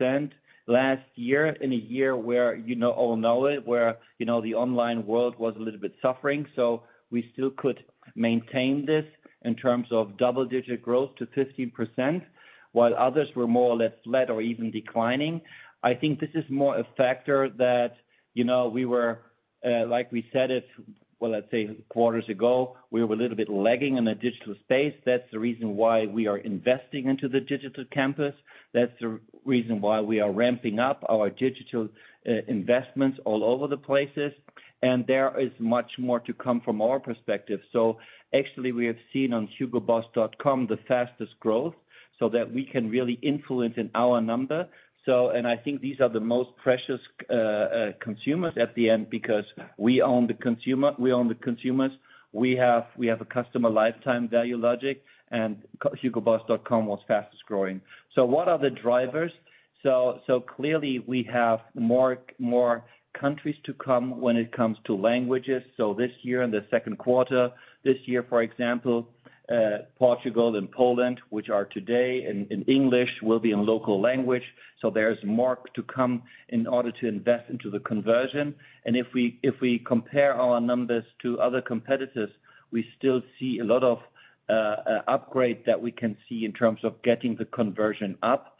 Speaker 4: 15% last year in a year where you know, all know it, where, you know, the online world was a little bit suffering. We still could maintain this in terms of double-digit growth to 15%, while others were more or less flat or even declining. I think this is more a factor that, you know, we were, like we said it, well, let's say quarters ago, we were a little bit lagging in the digital space. That's the reason why we are investing into the Digital Campus. That's the reason why we are ramping up our digital investments all over the places. There is much more to come from our perspective. Actually we have seen on hugoboss.com the fastest growth so that we can really influence in our number. I think these are the most precious consumers at the end because we own the consumers. We have a customer lifetime value logic and hugoboss.com was fastest-growing. What are the drivers? Clearly we have more countries to come when it comes to languages. This year, in the second quarter, for example, Portugal and Poland, which are today in English, will be in local language. There's more to come in order to invest into the conversion. If we compare our numbers to other competitors, we still see a lot of upgrade that we can see in terms of getting the conversion up.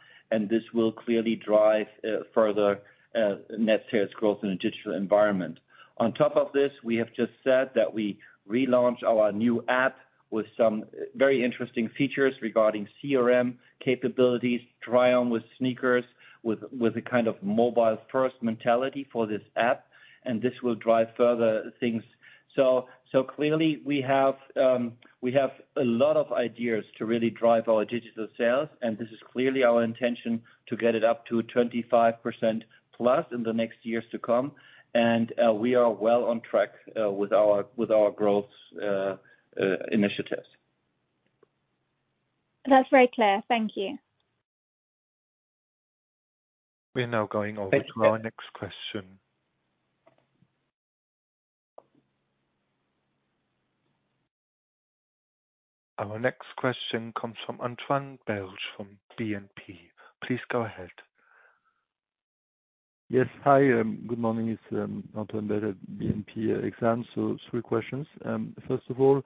Speaker 4: This will clearly drive further net sales growth in a digital environment. On top of this, we have just said that we relaunch our new app with some very interesting features regarding CRM capabilities, try on with sneakers, with a kind of mobile first mentality for this app, and this will drive further things. Clearly we have a lot of ideas to really drive our digital sales, and this is clearly our intention to get it up to 25%+ in the next years to come. We are well on track with our growth initiatives.
Speaker 7: That's very clear. Thank you.
Speaker 1: We're now going over to our next question. Our next question comes from Antoine Belge from BNP. Please go ahead.
Speaker 8: Yes. Hi, good morning. It's Antoine Belge, BNP Exane. Three questions. First of all,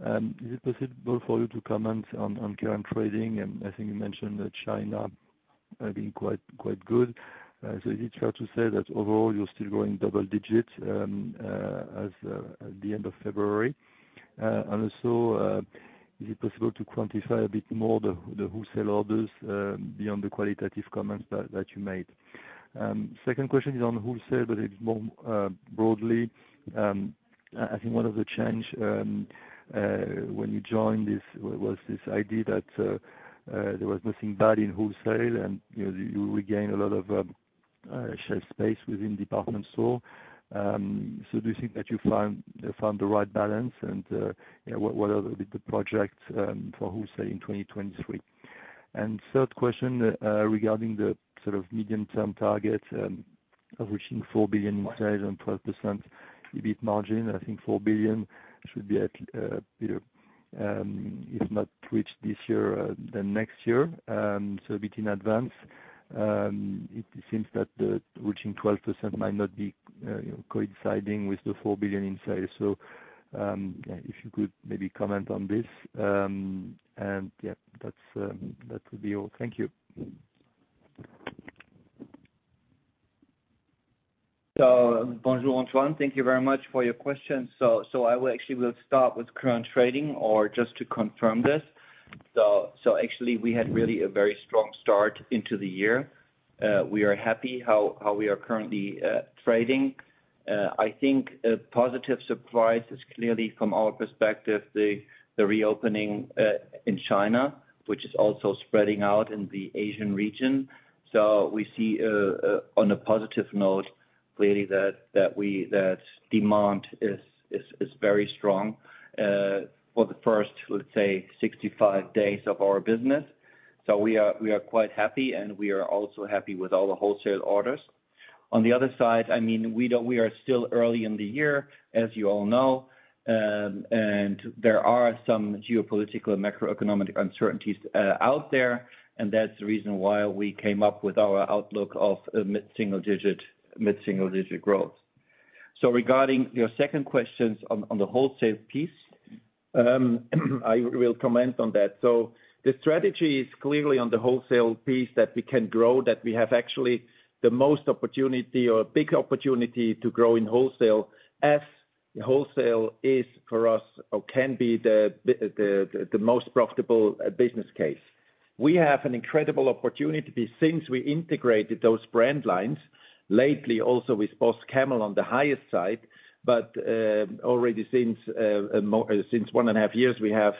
Speaker 8: is it possible for you to comment on current trading? I think you mentioned that China have been quite good. Is it fair to say that overall you're still growing double digits at the end of February? Also, is it possible to quantify a bit more the wholesale orders beyond the qualitative comments that you made? Second question is on wholesale, it's more broadly. I think one of the change when you joined this was this idea that there was nothing bad in wholesale and, you know, you regained a lot of shelf space within department store. Do you think that you found the right balance? You know, what are the projects for wholesale in 2023? Third question, regarding the sort of medium-term target of reaching 4 billion in sales and 12% EBIT margin. I think 4 billion should be at, you know, if not reached this year, then next year. A bit in advance. It seems that reaching 12% might not be, you know, coinciding with the 4 billion in sales. If you could maybe comment on this. Yeah, that's that would be all. Thank you.
Speaker 4: Bonjour, Antoine. Thank you very much for your questions. I will actually start with current trading or just to confirm this. Actually we had really a very strong start into the year. We are happy how we are currently trading. I think a positive surprise is clearly from our perspective, the reopening in China, which is also spreading out in the Asian region. We see on a positive note, clearly that demand is very strong for the first, let's say, 65 days of our business. We are quite happy, and we are also happy with all the wholesale orders. On the other side, I mean, we are still early in the year, as you all know. There are some geopolitical and macroeconomic uncertainties out there, and that's the reason why we came up with our outlook of mid-single digit growth. Regarding your second questions on the wholesale piece, I will comment on that. The strategy is clearly on the wholesale piece that we can grow, that we have actually the most opportunity or a big opportunity to grow in wholesale, as wholesale is for us or can be the most profitable business case. We have an incredible opportunity since we integrated those brand lines. Lately, also with BOSS Camel on the highest side. Already since one and a half years, we have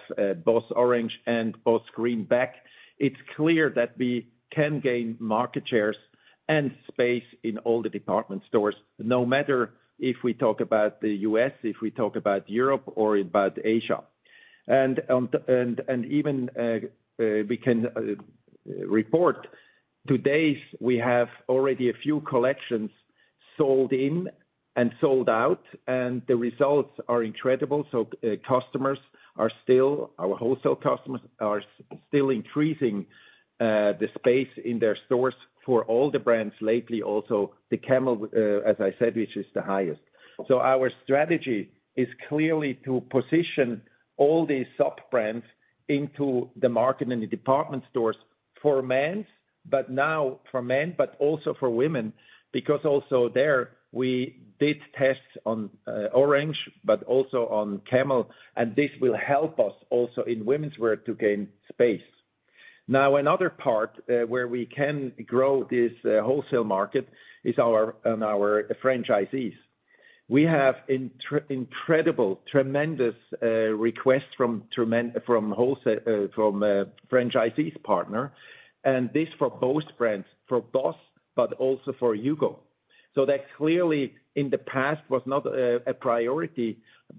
Speaker 4: BOSS Orange and BOSS Green back. It's clear that we can gain market shares and space in all the department stores no matter if we talk about the US, if we talk about Europe or about Asia. Even we can report today we have already a few collections. Sold in and sold out, and the results are incredible. Our wholesale customers are still increasing the space in their stores for all the brands. Lately, also the Camel, as I said, which is the highest. Our strategy is clearly to position all these sub-brands into the market and the department stores for men's, but now for men but also for women, because also there we did tests on Orange, but also on Camel, and this will help us also in women's wear to gain space. Another part where we can grow this wholesale market is on our franchisees. We have incredible, tremendous request from franchisees partner, and this for both brands, for BOSS, but also for HUGO. That clearly in the past was not a priority,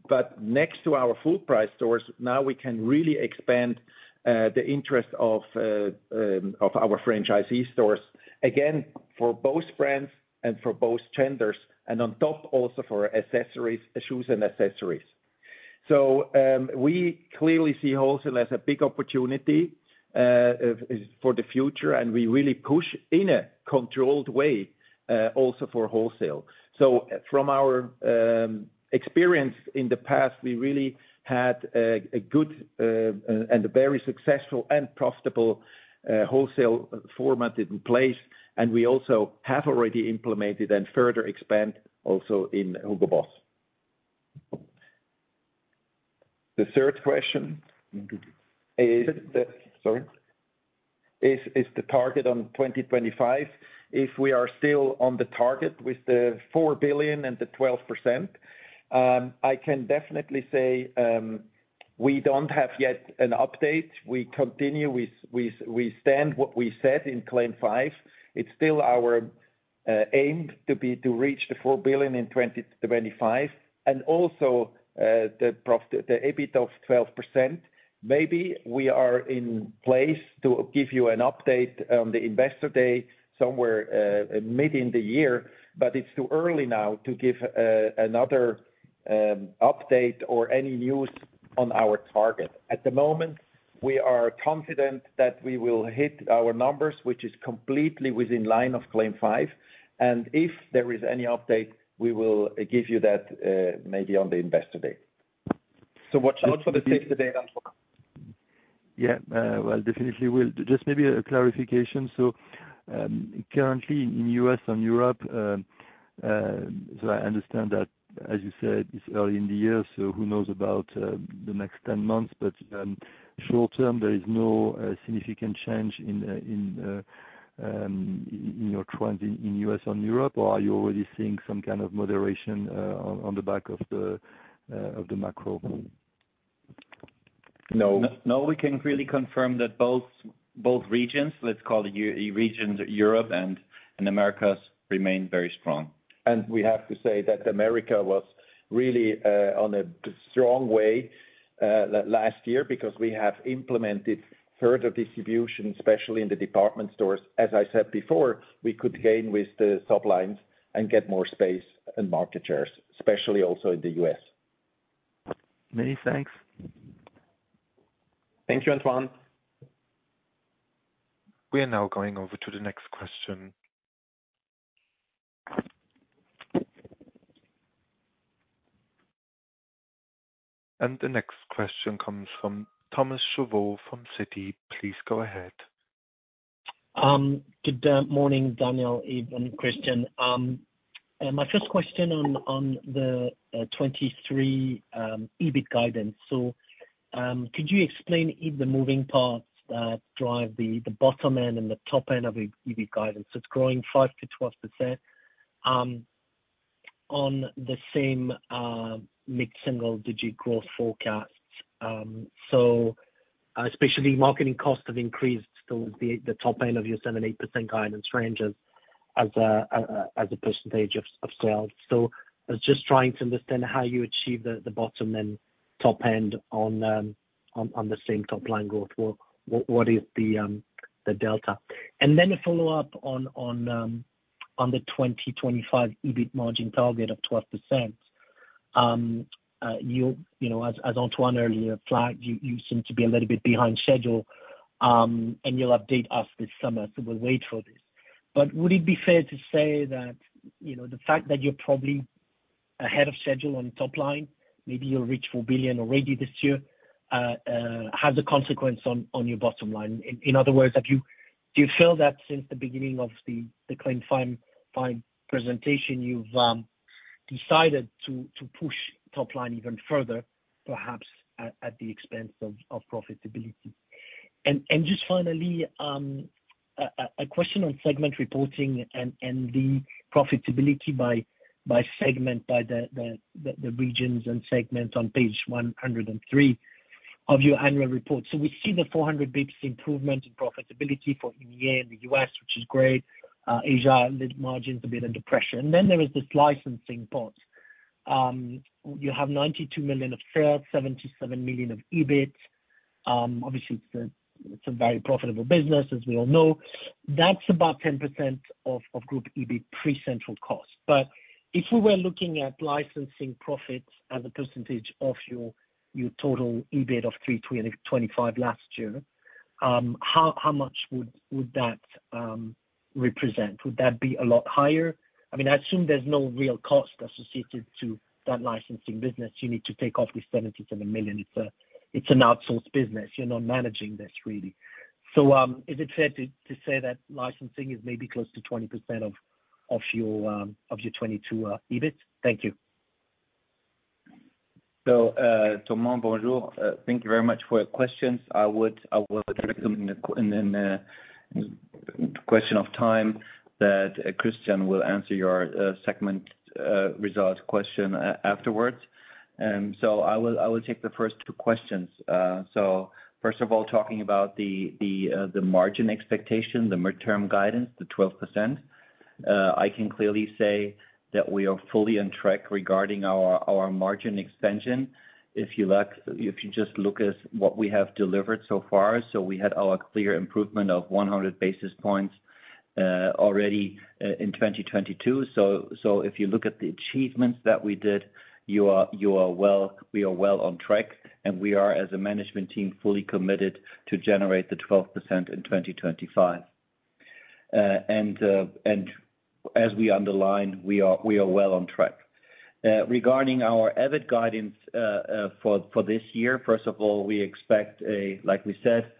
Speaker 4: but next to our full price stores, now we can really expand the interest of our franchisee stores. Again, for both brands and for both genders, and on top also for accessories, shoes and accessories. We clearly see wholesale as a big opportunity for the future, and we really push in a controlled way also for wholesale. From our experience in the past, we really had a good and a very successful and profitable wholesale format in place, and we also have already implemented and further expand also in HUGO BOSS. The third question is the target on 2025. If we are still on the target with the 4 billion and the 12%, I can definitely say we don't have yet an update. We continue with, we stand what we said in CLAIM 5. It's still our aim to reach the 4 billion in 2025. Also, the EBIT of 12%. Maybe we are in place to give you an update on the investor day somewhere mid in the year, but it's too early now to give another update or any news on our target. At the moment, we are confident that we will hit our numbers, which is completely within line of CLAIM 5. If there is any update, we will give you that maybe on the investor day. Watch out for the safety data.
Speaker 8: Well, definitely will. Just maybe a clarification. Currently in US and Europe, I understand that, as you said, it's early in the year, so who knows about the next 10 months, but short term, there is no significant change in your trends in US and Europe, or are you already seeing some kind of moderation on the back of the macro?
Speaker 3: No.
Speaker 4: No, we can really confirm that both regions, let's call it regions Europe and Americas, remain very strong.
Speaker 3: We have to say that the U.S. was really on a strong way last year because we have implemented further distribution, especially in the department stores. As I said before, we could gain with the sub lines and get more space and market shares, especially also in the U.S.
Speaker 8: Many thanks.
Speaker 4: Thank you, Antoine.
Speaker 1: We are now going over to the next question. The next question comes from Thomas Chauvet from Citi. Please go ahead.
Speaker 9: Good morning, Daniel, Yves, and Christian. My first question on 2023 EBIT guidance. Could you explain the moving parts that drive the bottom end and the top end of the EBIT guidance? It's growing 5%-12% on the same mid-single digit growth forecasts. Especially marketing costs have increased towards the top end of your 7%-8% guidance range as a percentage of sales. I was just trying to understand how you achieve the bottom and top end on the same top line growth. What is the delta? A follow-up on the 2025 EBIT margin target of 12%. You know, as Antoine earlier flagged, you seem to be a little bit behind schedule, and you'll update us this summer. We'll wait for this. Would it be fair to say that, you know, the fact that you're probably ahead of schedule on top line, maybe you'll reach 4 billion already this year, has a consequence on your bottom line. In other words, do you feel that since the beginning of the CLAIM 5 presentation you've decided to push top line even further, perhaps at the expense of profitability? Just finally, a question on segment reporting and the profitability by segment, by the regions and segments on page 103 of your annual report. We see the 400 basis point improvement in profitability for EMEA and the US, which is great. Asia lead margins a bit under pressure. There is this licensing part. You have 92 million of sales, 77 million of EBIT. Obviously, it's a very profitable business, as we all know. That's about 10% of group EBIT pre-central cost. If we were looking at licensing profits as a percentage of your total EBIT of 325 last year, how much would that represent? Would that be a lot higher? I mean, I assume there's no real cost associated to that licensing business. You need to take off with 77 million. It's an outsourced business. You're not managing this, really. Is it fair to say that licensing is maybe close to 20% of your 22 EBIT? Thank you.
Speaker 4: Thomas bonjour. Thank you very much for your questions. I will address them in question of time that Christian will answer your segment results question afterwards. I will take the first two questions. First of all, talking about the margin expectation, the midterm guidance, the 12%, I can clearly say that we are fully on track regarding our margin expansion. If you just look at what we have delivered so far, we had our clear improvement of 100 basis points already in 2022. If you look at the achievements that we did, you are well on track, and we are, as a management team, fully committed to generate the 12% in 2025. As we underline, we are well on track. Regarding our EBIT guidance for this year, first of all, we expect, like we said,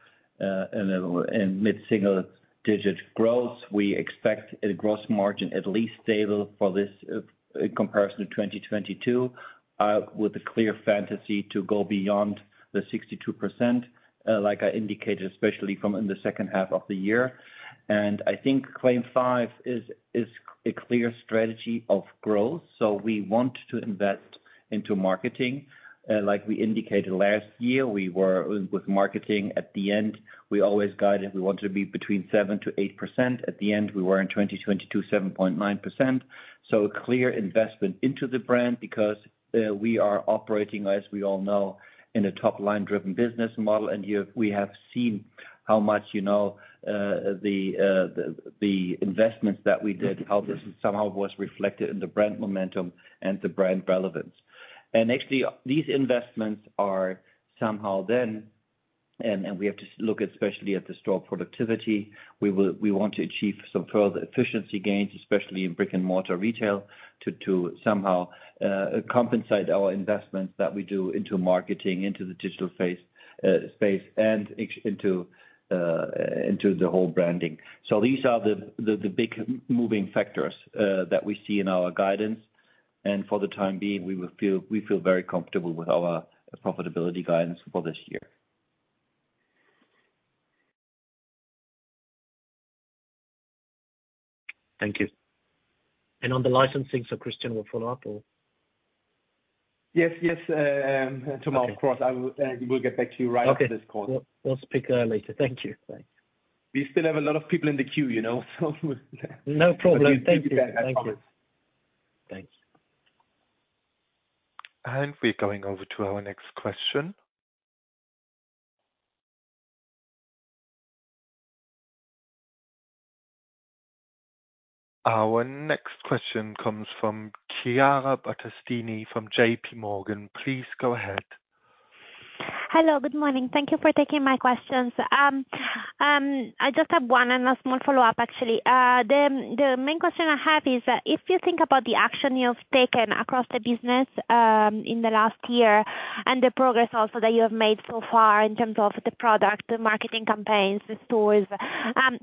Speaker 4: a mid-single digit growth. We expect a gross margin at least stable for this in comparison to 2022, with a clear fantasy to go beyond the 62%, like I indicated, especially in the second half of the year. I think CLAIM 5 is a clear strategy of growth, so we want to invest into marketing. Like we indicated last year, we were with marketing at the end, we always guided, we want to be between 7%-8%. We were in 2022, 7.9%. A clear investment into the brand because we are operating, as we all know, in a top-line driven business model. We have seen how much, you know, the investments that we did, how this somehow was reflected in the brand momentum and the brand relevance. Actually, these investments are somehow then, and we have to look especially at the store productivity. We want to achieve some further efficiency gains, especially in brick-and-mortar retail to somehow compensate our investments that we do into marketing, into the digital phase, space and into the whole branding. These are the big moving factors that we see in our guidance. For the time being, we feel very comfortable with our profitability guidance for this year.
Speaker 9: Thank you. On the licensing, Christian will follow up or?
Speaker 2: Yes, Thomas, of course. I will get back to you right after this call.
Speaker 9: Okay. We'll speak later. Thank you. Thanks.
Speaker 2: We still have a lot of people in the queue, you know?
Speaker 9: No problem. Thank you. Thank you.
Speaker 2: I promise.
Speaker 9: Thanks.
Speaker 1: We're going over to our next question. Our next question comes from Chiara Battistini from J.P. Morgan. Please go ahead.
Speaker 10: Hello, good morning. Thank you for taking my questions. I just have one and a small follow-up actually. The main question I have is, if you think about the action you have taken across the business, in the last year and the progress also that you have made so far in terms of the product, the marketing campaigns, the stores,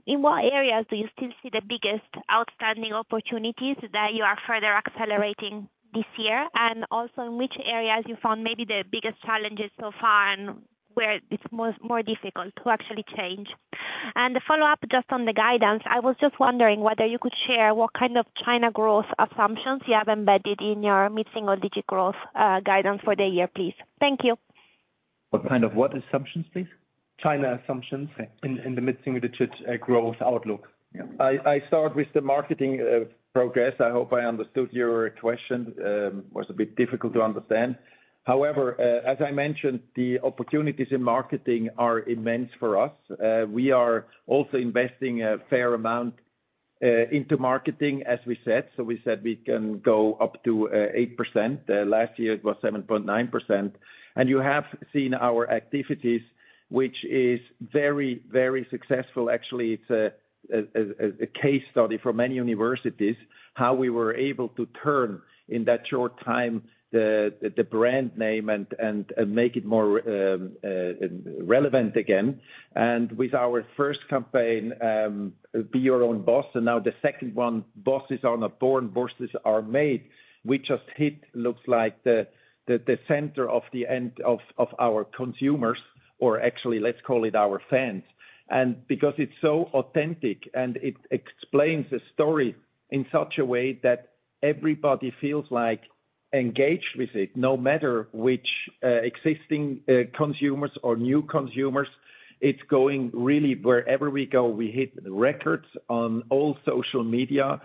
Speaker 10: in what areas do you still see the biggest outstanding opportunities that you are further accelerating this year? Also, in which areas you found maybe the biggest challenges so far and where it's more difficult to actually change? The follow-up just on the guidance, I was just wondering whether you could share what kind of China growth assumptions you have embedded in your mid-single-digit growth guidance for the year, please. Thank you.
Speaker 4: What kind of what assumptions, please?
Speaker 3: China assumptions in the mid-single digit growth outlook.
Speaker 4: Yeah.
Speaker 3: I start with the marketing progress. I hope I understood your question. It was a bit difficult to understand. As I mentioned, the opportunities in marketing are immense for us. We are also investing a fair amount into marketing, as we said. We said we can go up to 8%. Last year it was 7.9%. You have seen our activities, which is very successful. Actually, it's a case study for many universities, how we were able to turn in that short time the brand name and make it more relevant again. With our first campaign, Be Your Own BOSS, and now the second one, BOSSes are not born, BOSSes are made, we just hit looks like the center of the end of our consumers, or actually let's call it our fans. Because it's so authentic and it explains the story in such a way that everybody feels like engaged with it, no matter which existing consumers or new consumers, it's going really wherever we go. We hit records on all social media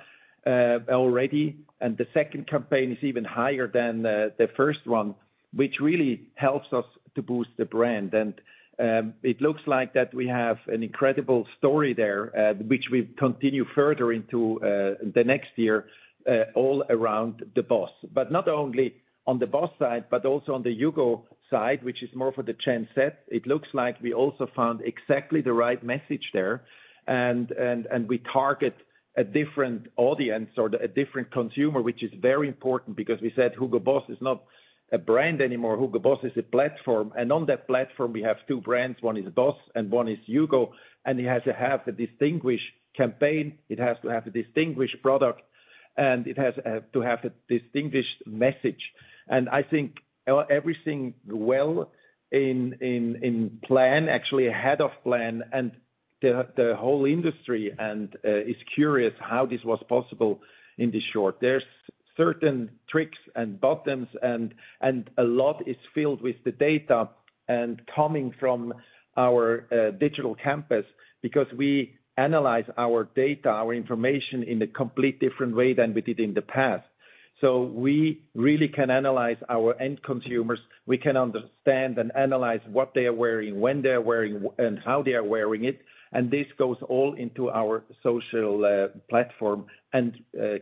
Speaker 3: already, and the second campaign is even higher than the first one, which really helps us to boost the brand. It looks like that we have an incredible story there, which we continue further into the next year, all around the BOSS. Not only on the BOSS side, but also on the HUGO side, which is more for the trend set. It looks like we also found exactly the right message there. We target a different audience or a different consumer, which is very important because we said HUGO BOSS is not a brand anymore. HUGO BOSS is a platform. On that platform, we have two brands. One is BOSS and one is HUGO, and it has to have a distinguished campaign, it has to have a distinguished product, and it has to have a distinguished message. I think everything well in plan, actually ahead of plan and the whole industry is curious how this was possible in the short. There's certain tricks and buttons and a lot is filled with the data and coming from our Digital Campus because we analyze our data, our information in a complete different way than we did in the past. We really can analyze our end consumers. We can understand and analyze what they are wearing, when they're wearing and how they are wearing it. This goes all into our social platform and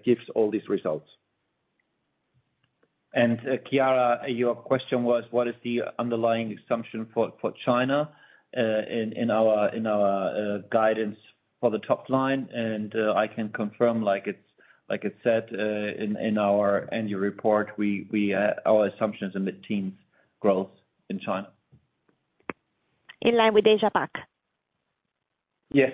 Speaker 3: gives all these results.
Speaker 4: Chiara, your question was, what is the underlying assumption for China in our guidance for the top line? I can confirm, like it's said, in our annual report, we, our assumption is in mid-teens growth in China.
Speaker 10: In line with Asia Pac?
Speaker 4: Yes.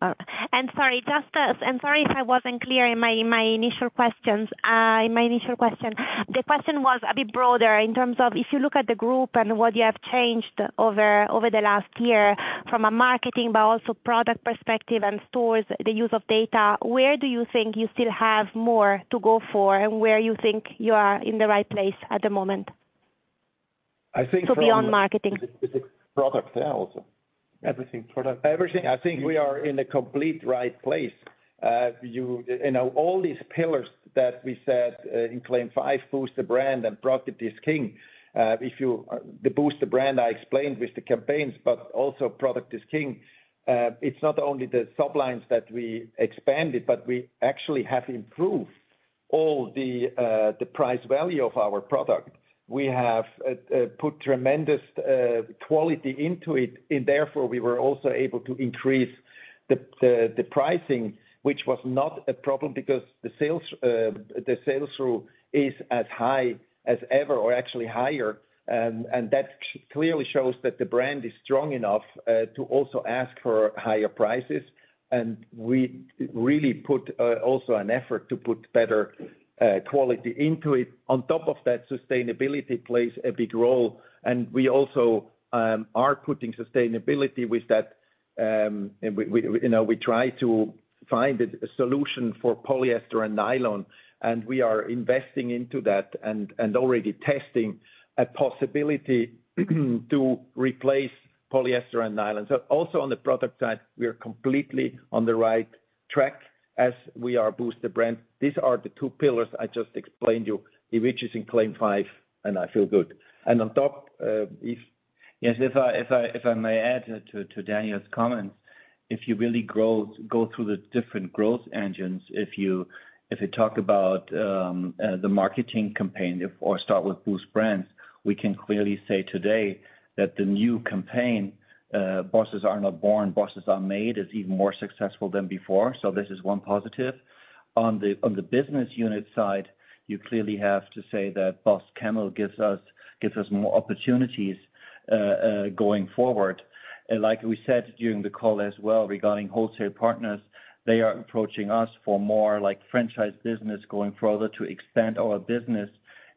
Speaker 4: Yeah.
Speaker 10: All right. Sorry, just, if I wasn't clear in my initial question. The question was a bit broader in terms of if you look at the group and what you have changed over the last year from a marketing but also product perspective and stores, the use of data, where do you think you still have more to go for and where you think you are in the right place at the moment?
Speaker 3: I think.
Speaker 10: To beyond marketing.
Speaker 3: With the product sales.
Speaker 4: Everything product.
Speaker 3: Everything. I think we are in the complete right place. You know, all these pillars that we set in CLAIM 5, boost the brand and product is king. If you, the boost the brand I explained with the campaigns, but also product is king. It's not only the sublines that we expanded, but we actually have improved all the price value of our product. We have put tremendous quality into it, and therefore, we were also able to increase the pricing, which was not a problem because the sales, the sales through is as high as ever or actually higher. And that clearly shows that the brand is strong enough to also ask for higher prices. We really put also an effort to put better quality into it. On top of that, sustainability plays a big role, and we also are putting sustainability with that. We, you know, we try to find a solution for polyester and nylon, and we are investing into that and already testing a possibility to replace polyester and nylon. Also on the product side, we are completely on the right track as we are BOSS the brand. These are the two pillars I just explained you. It reaches in CLAIM 5, and I feel good. On top,
Speaker 4: Yes, if I may add to Daniel's comments. If you really go through the different growth engines, if you talk about the marketing campaign or start with BOSS Brands, we can clearly say today that the new campaign, BOSSes are not born, BOSSes are made, is even more successful than before. This is one positive. On the business unit side, you clearly have to say that BOSS Camel gives us more opportunities going forward. Like we said during the call as well regarding wholesale partners, they are approaching us for more like franchise business going further to expand our business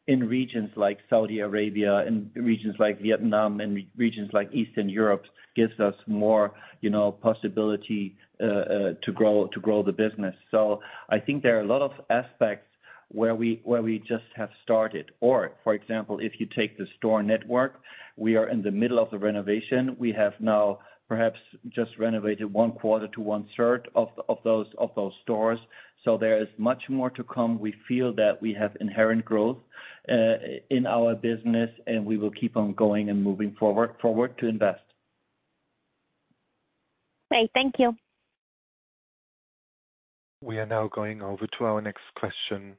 Speaker 4: in regions like Saudi Arabia, in regions like Vietnam, in regions like Eastern Europe, gives us more, you know, possibility to grow the business. I think there are a lot of aspects where we just have started. For example, if you take the store network, we are in the middle of the renovation. We have now perhaps just renovated one quarter to one-third of those stores. There is much more to come. We feel that we have inherent growth in our business, and we will keep on going and moving forward to invest.
Speaker 10: Okay, thank you.
Speaker 1: We are now going over to our next question.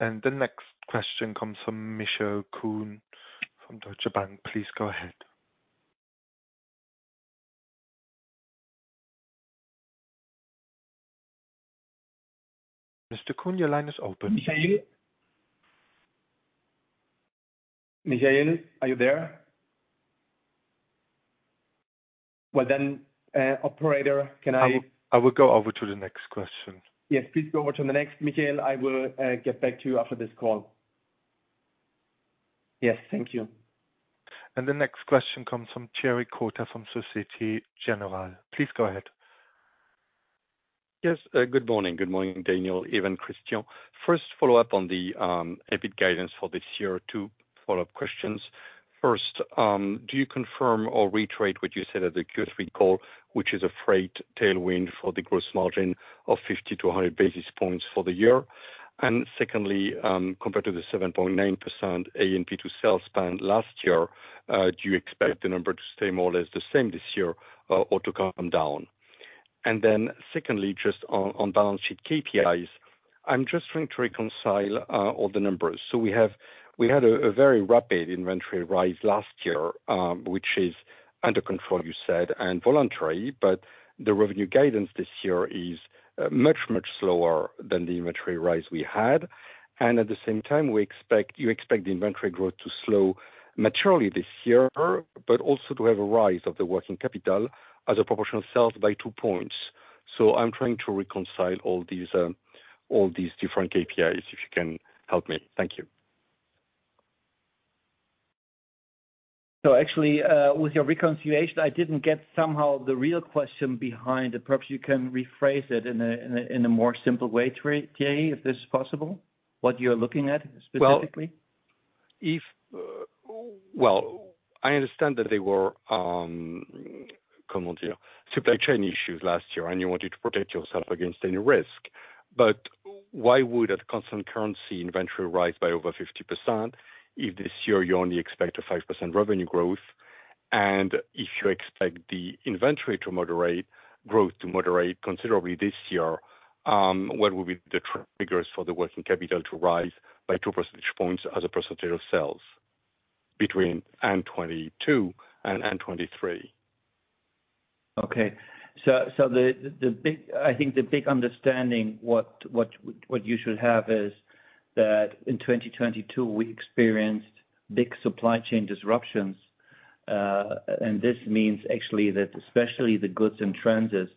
Speaker 1: The next question comes from Michael Kuhn from Deutsche Bank. Please go ahead. Mr. Kuhn, your line is open.
Speaker 3: Michael Kuhn. Michael Kuhn, are you there? Operator.
Speaker 1: I will go over to the next question.
Speaker 3: Yes, please go over to the next. Michelle, I will get back to you after this call.
Speaker 4: Yes. Thank you.
Speaker 1: The next question comes from Thierry Cota from Societe Generale. Please go ahead.
Speaker 11: Yes. Good morning. Good morning, Daniel, Yves, Christian. First follow-up on the EBIT guidance for this year. Two follow-up questions. First, do you confirm or reiterate what you said at the Q3 call, which is a freight tailwind for the gross margin of 50-100 basis points for the year? Secondly, compared to the 7.9% A&P to sales spend last year, do you expect the number to stay more or less the same this year, or to come down? Secondly, just on balance sheet KPIs, I'm just trying to reconcile all the numbers. We had a very rapid inventory rise last year, which is under control, you said, and voluntary, but the revenue guidance this year is much, much slower than the inventory rise we had. At the same time, you expect the inventory growth to slow materially this year, but also to have a rise of the working capital as a proportion of sales by 2 points. I'm trying to reconcile all these different KPIs, if you can help me. Thank you.
Speaker 4: Actually, with your reconciliation, I didn't get somehow the real question behind it. Perhaps you can rephrase it in a more simple way, Thierry, if this is possible, what you're looking at specifically.
Speaker 11: I understand that there were supply chain issues last year, and you wanted to protect yourself against any risk. Why would a constant currency inventory rise by over 50% if this year you only expect a 5% revenue growth? If you expect the inventory to moderate, growth to moderate considerably this year, what will be the triggers for the working capital to rise by two percentage points as a percentage of sales between 2022 and 2023?
Speaker 4: Okay. I think the big understanding you should have is that in 2022, we experienced big supply chain disruptions. This means actually that especially the goods in transit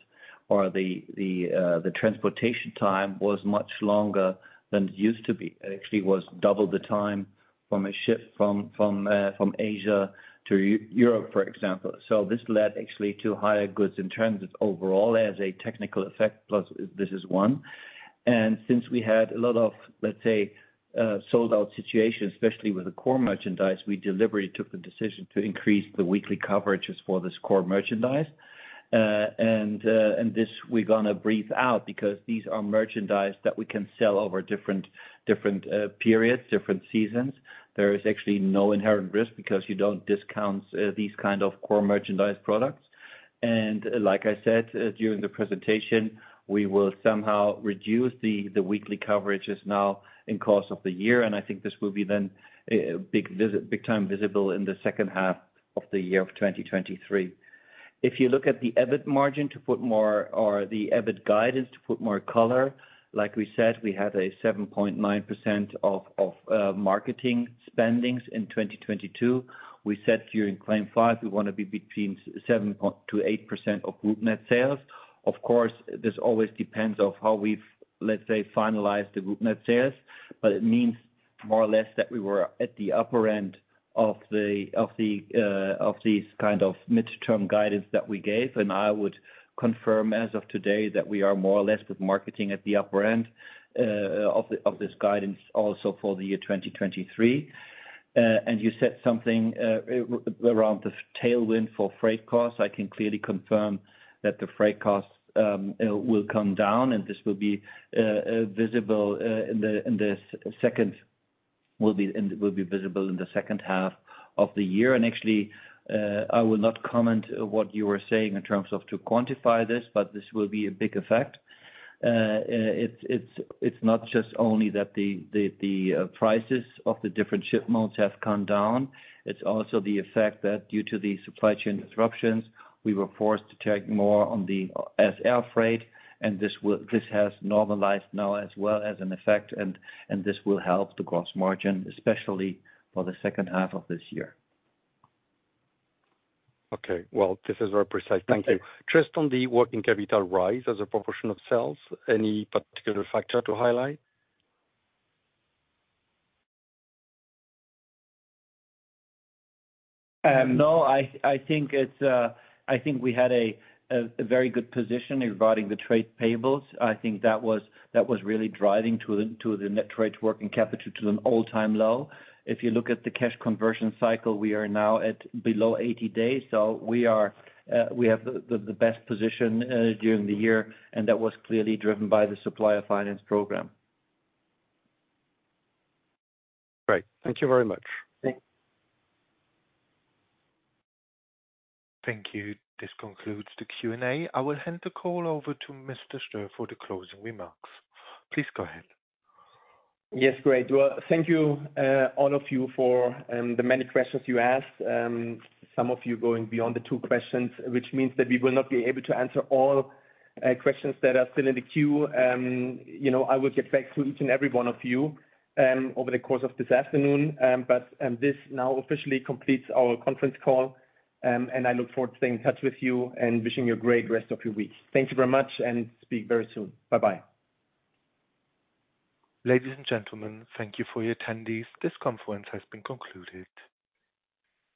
Speaker 4: or the transportation time was much longer than it used to be. It actually was double the time from a ship from Asia to Europe, for example. This led actually to higher goods in transit overall as a technical effect, plus this is one. Since we had a lot of, let's say, sold-out situations, especially with the core merchandise, we deliberately took the decision to increase the weekly coverages for this core merchandise. And this we're gonna breathe out because these are merchandise that we can sell over different periods, different seasons. There is actually no inherent risk because you don't discount these kind of core merchandise products. Like I said, during the presentation, we will somehow reduce the weekly coverages now in course of the year. I think this will be then big time visible in the second half of 2023. If you look at the EBIT margin to put more or the EBIT guidance to put more color, like we said, we had a 7.9% of marketing spendings in 2022. We said during CLAIM 5 we wanna be between 7%-8% of group net sales. Of course, this always depends of how we've, let's say, finalized the group net sales, but it means more or less that we were at the upper end of these kind of midterm guidance that we gave. I would confirm as of today that we are more or less with marketing at the upper end of this guidance also for the year 2023. You said something around the tailwind for freight costs. I can clearly confirm that the freight costs will come down and this will be visible in the second half of the year. Actually, I will not comment what you were saying in terms of to quantify this, but this will be a big effect. It's not just only that the prices of the different shipments have come down. It's also the effect that due to the supply chain disruptions, we were forced to take more on the as air freight, and this has normalized now as well as an effect, and this will help the gross margin, especially for the second half of this year.
Speaker 11: Okay. Well, this is very precise. Thank you. Just on the working capital rise as a proportion of sales, any particular factor to highlight?
Speaker 4: No. I think we had a very good position regarding the trade payables. I think that was really driving to the net trade working capital to an all-time low. If you look at the cash conversion cycle, we are now at below 80 days. We are, we have the best position during the year, and that was clearly driven by the supplier finance program.
Speaker 11: Great. Thank you very much.
Speaker 4: Thank.
Speaker 1: Thank you. This concludes the Q&A. I will hand the call over to Mr. Stöhr for the closing remarks. Please go ahead.
Speaker 2: Yes. Great. Well, thank you, all of you for the many questions you asked. Some of you going beyond the two questions, which means that we will not be able to answer all questions that are still in the queue. You know, I will get back to each and every one of you over the course of this afternoon. This now officially completes our conference call, and I look forward to staying in touch with you and wishing you a great rest of your week. Thank you very much and speak very soon. Bye-bye.
Speaker 1: Ladies and gentlemen, thank you for your attendees. This conference has been concluded.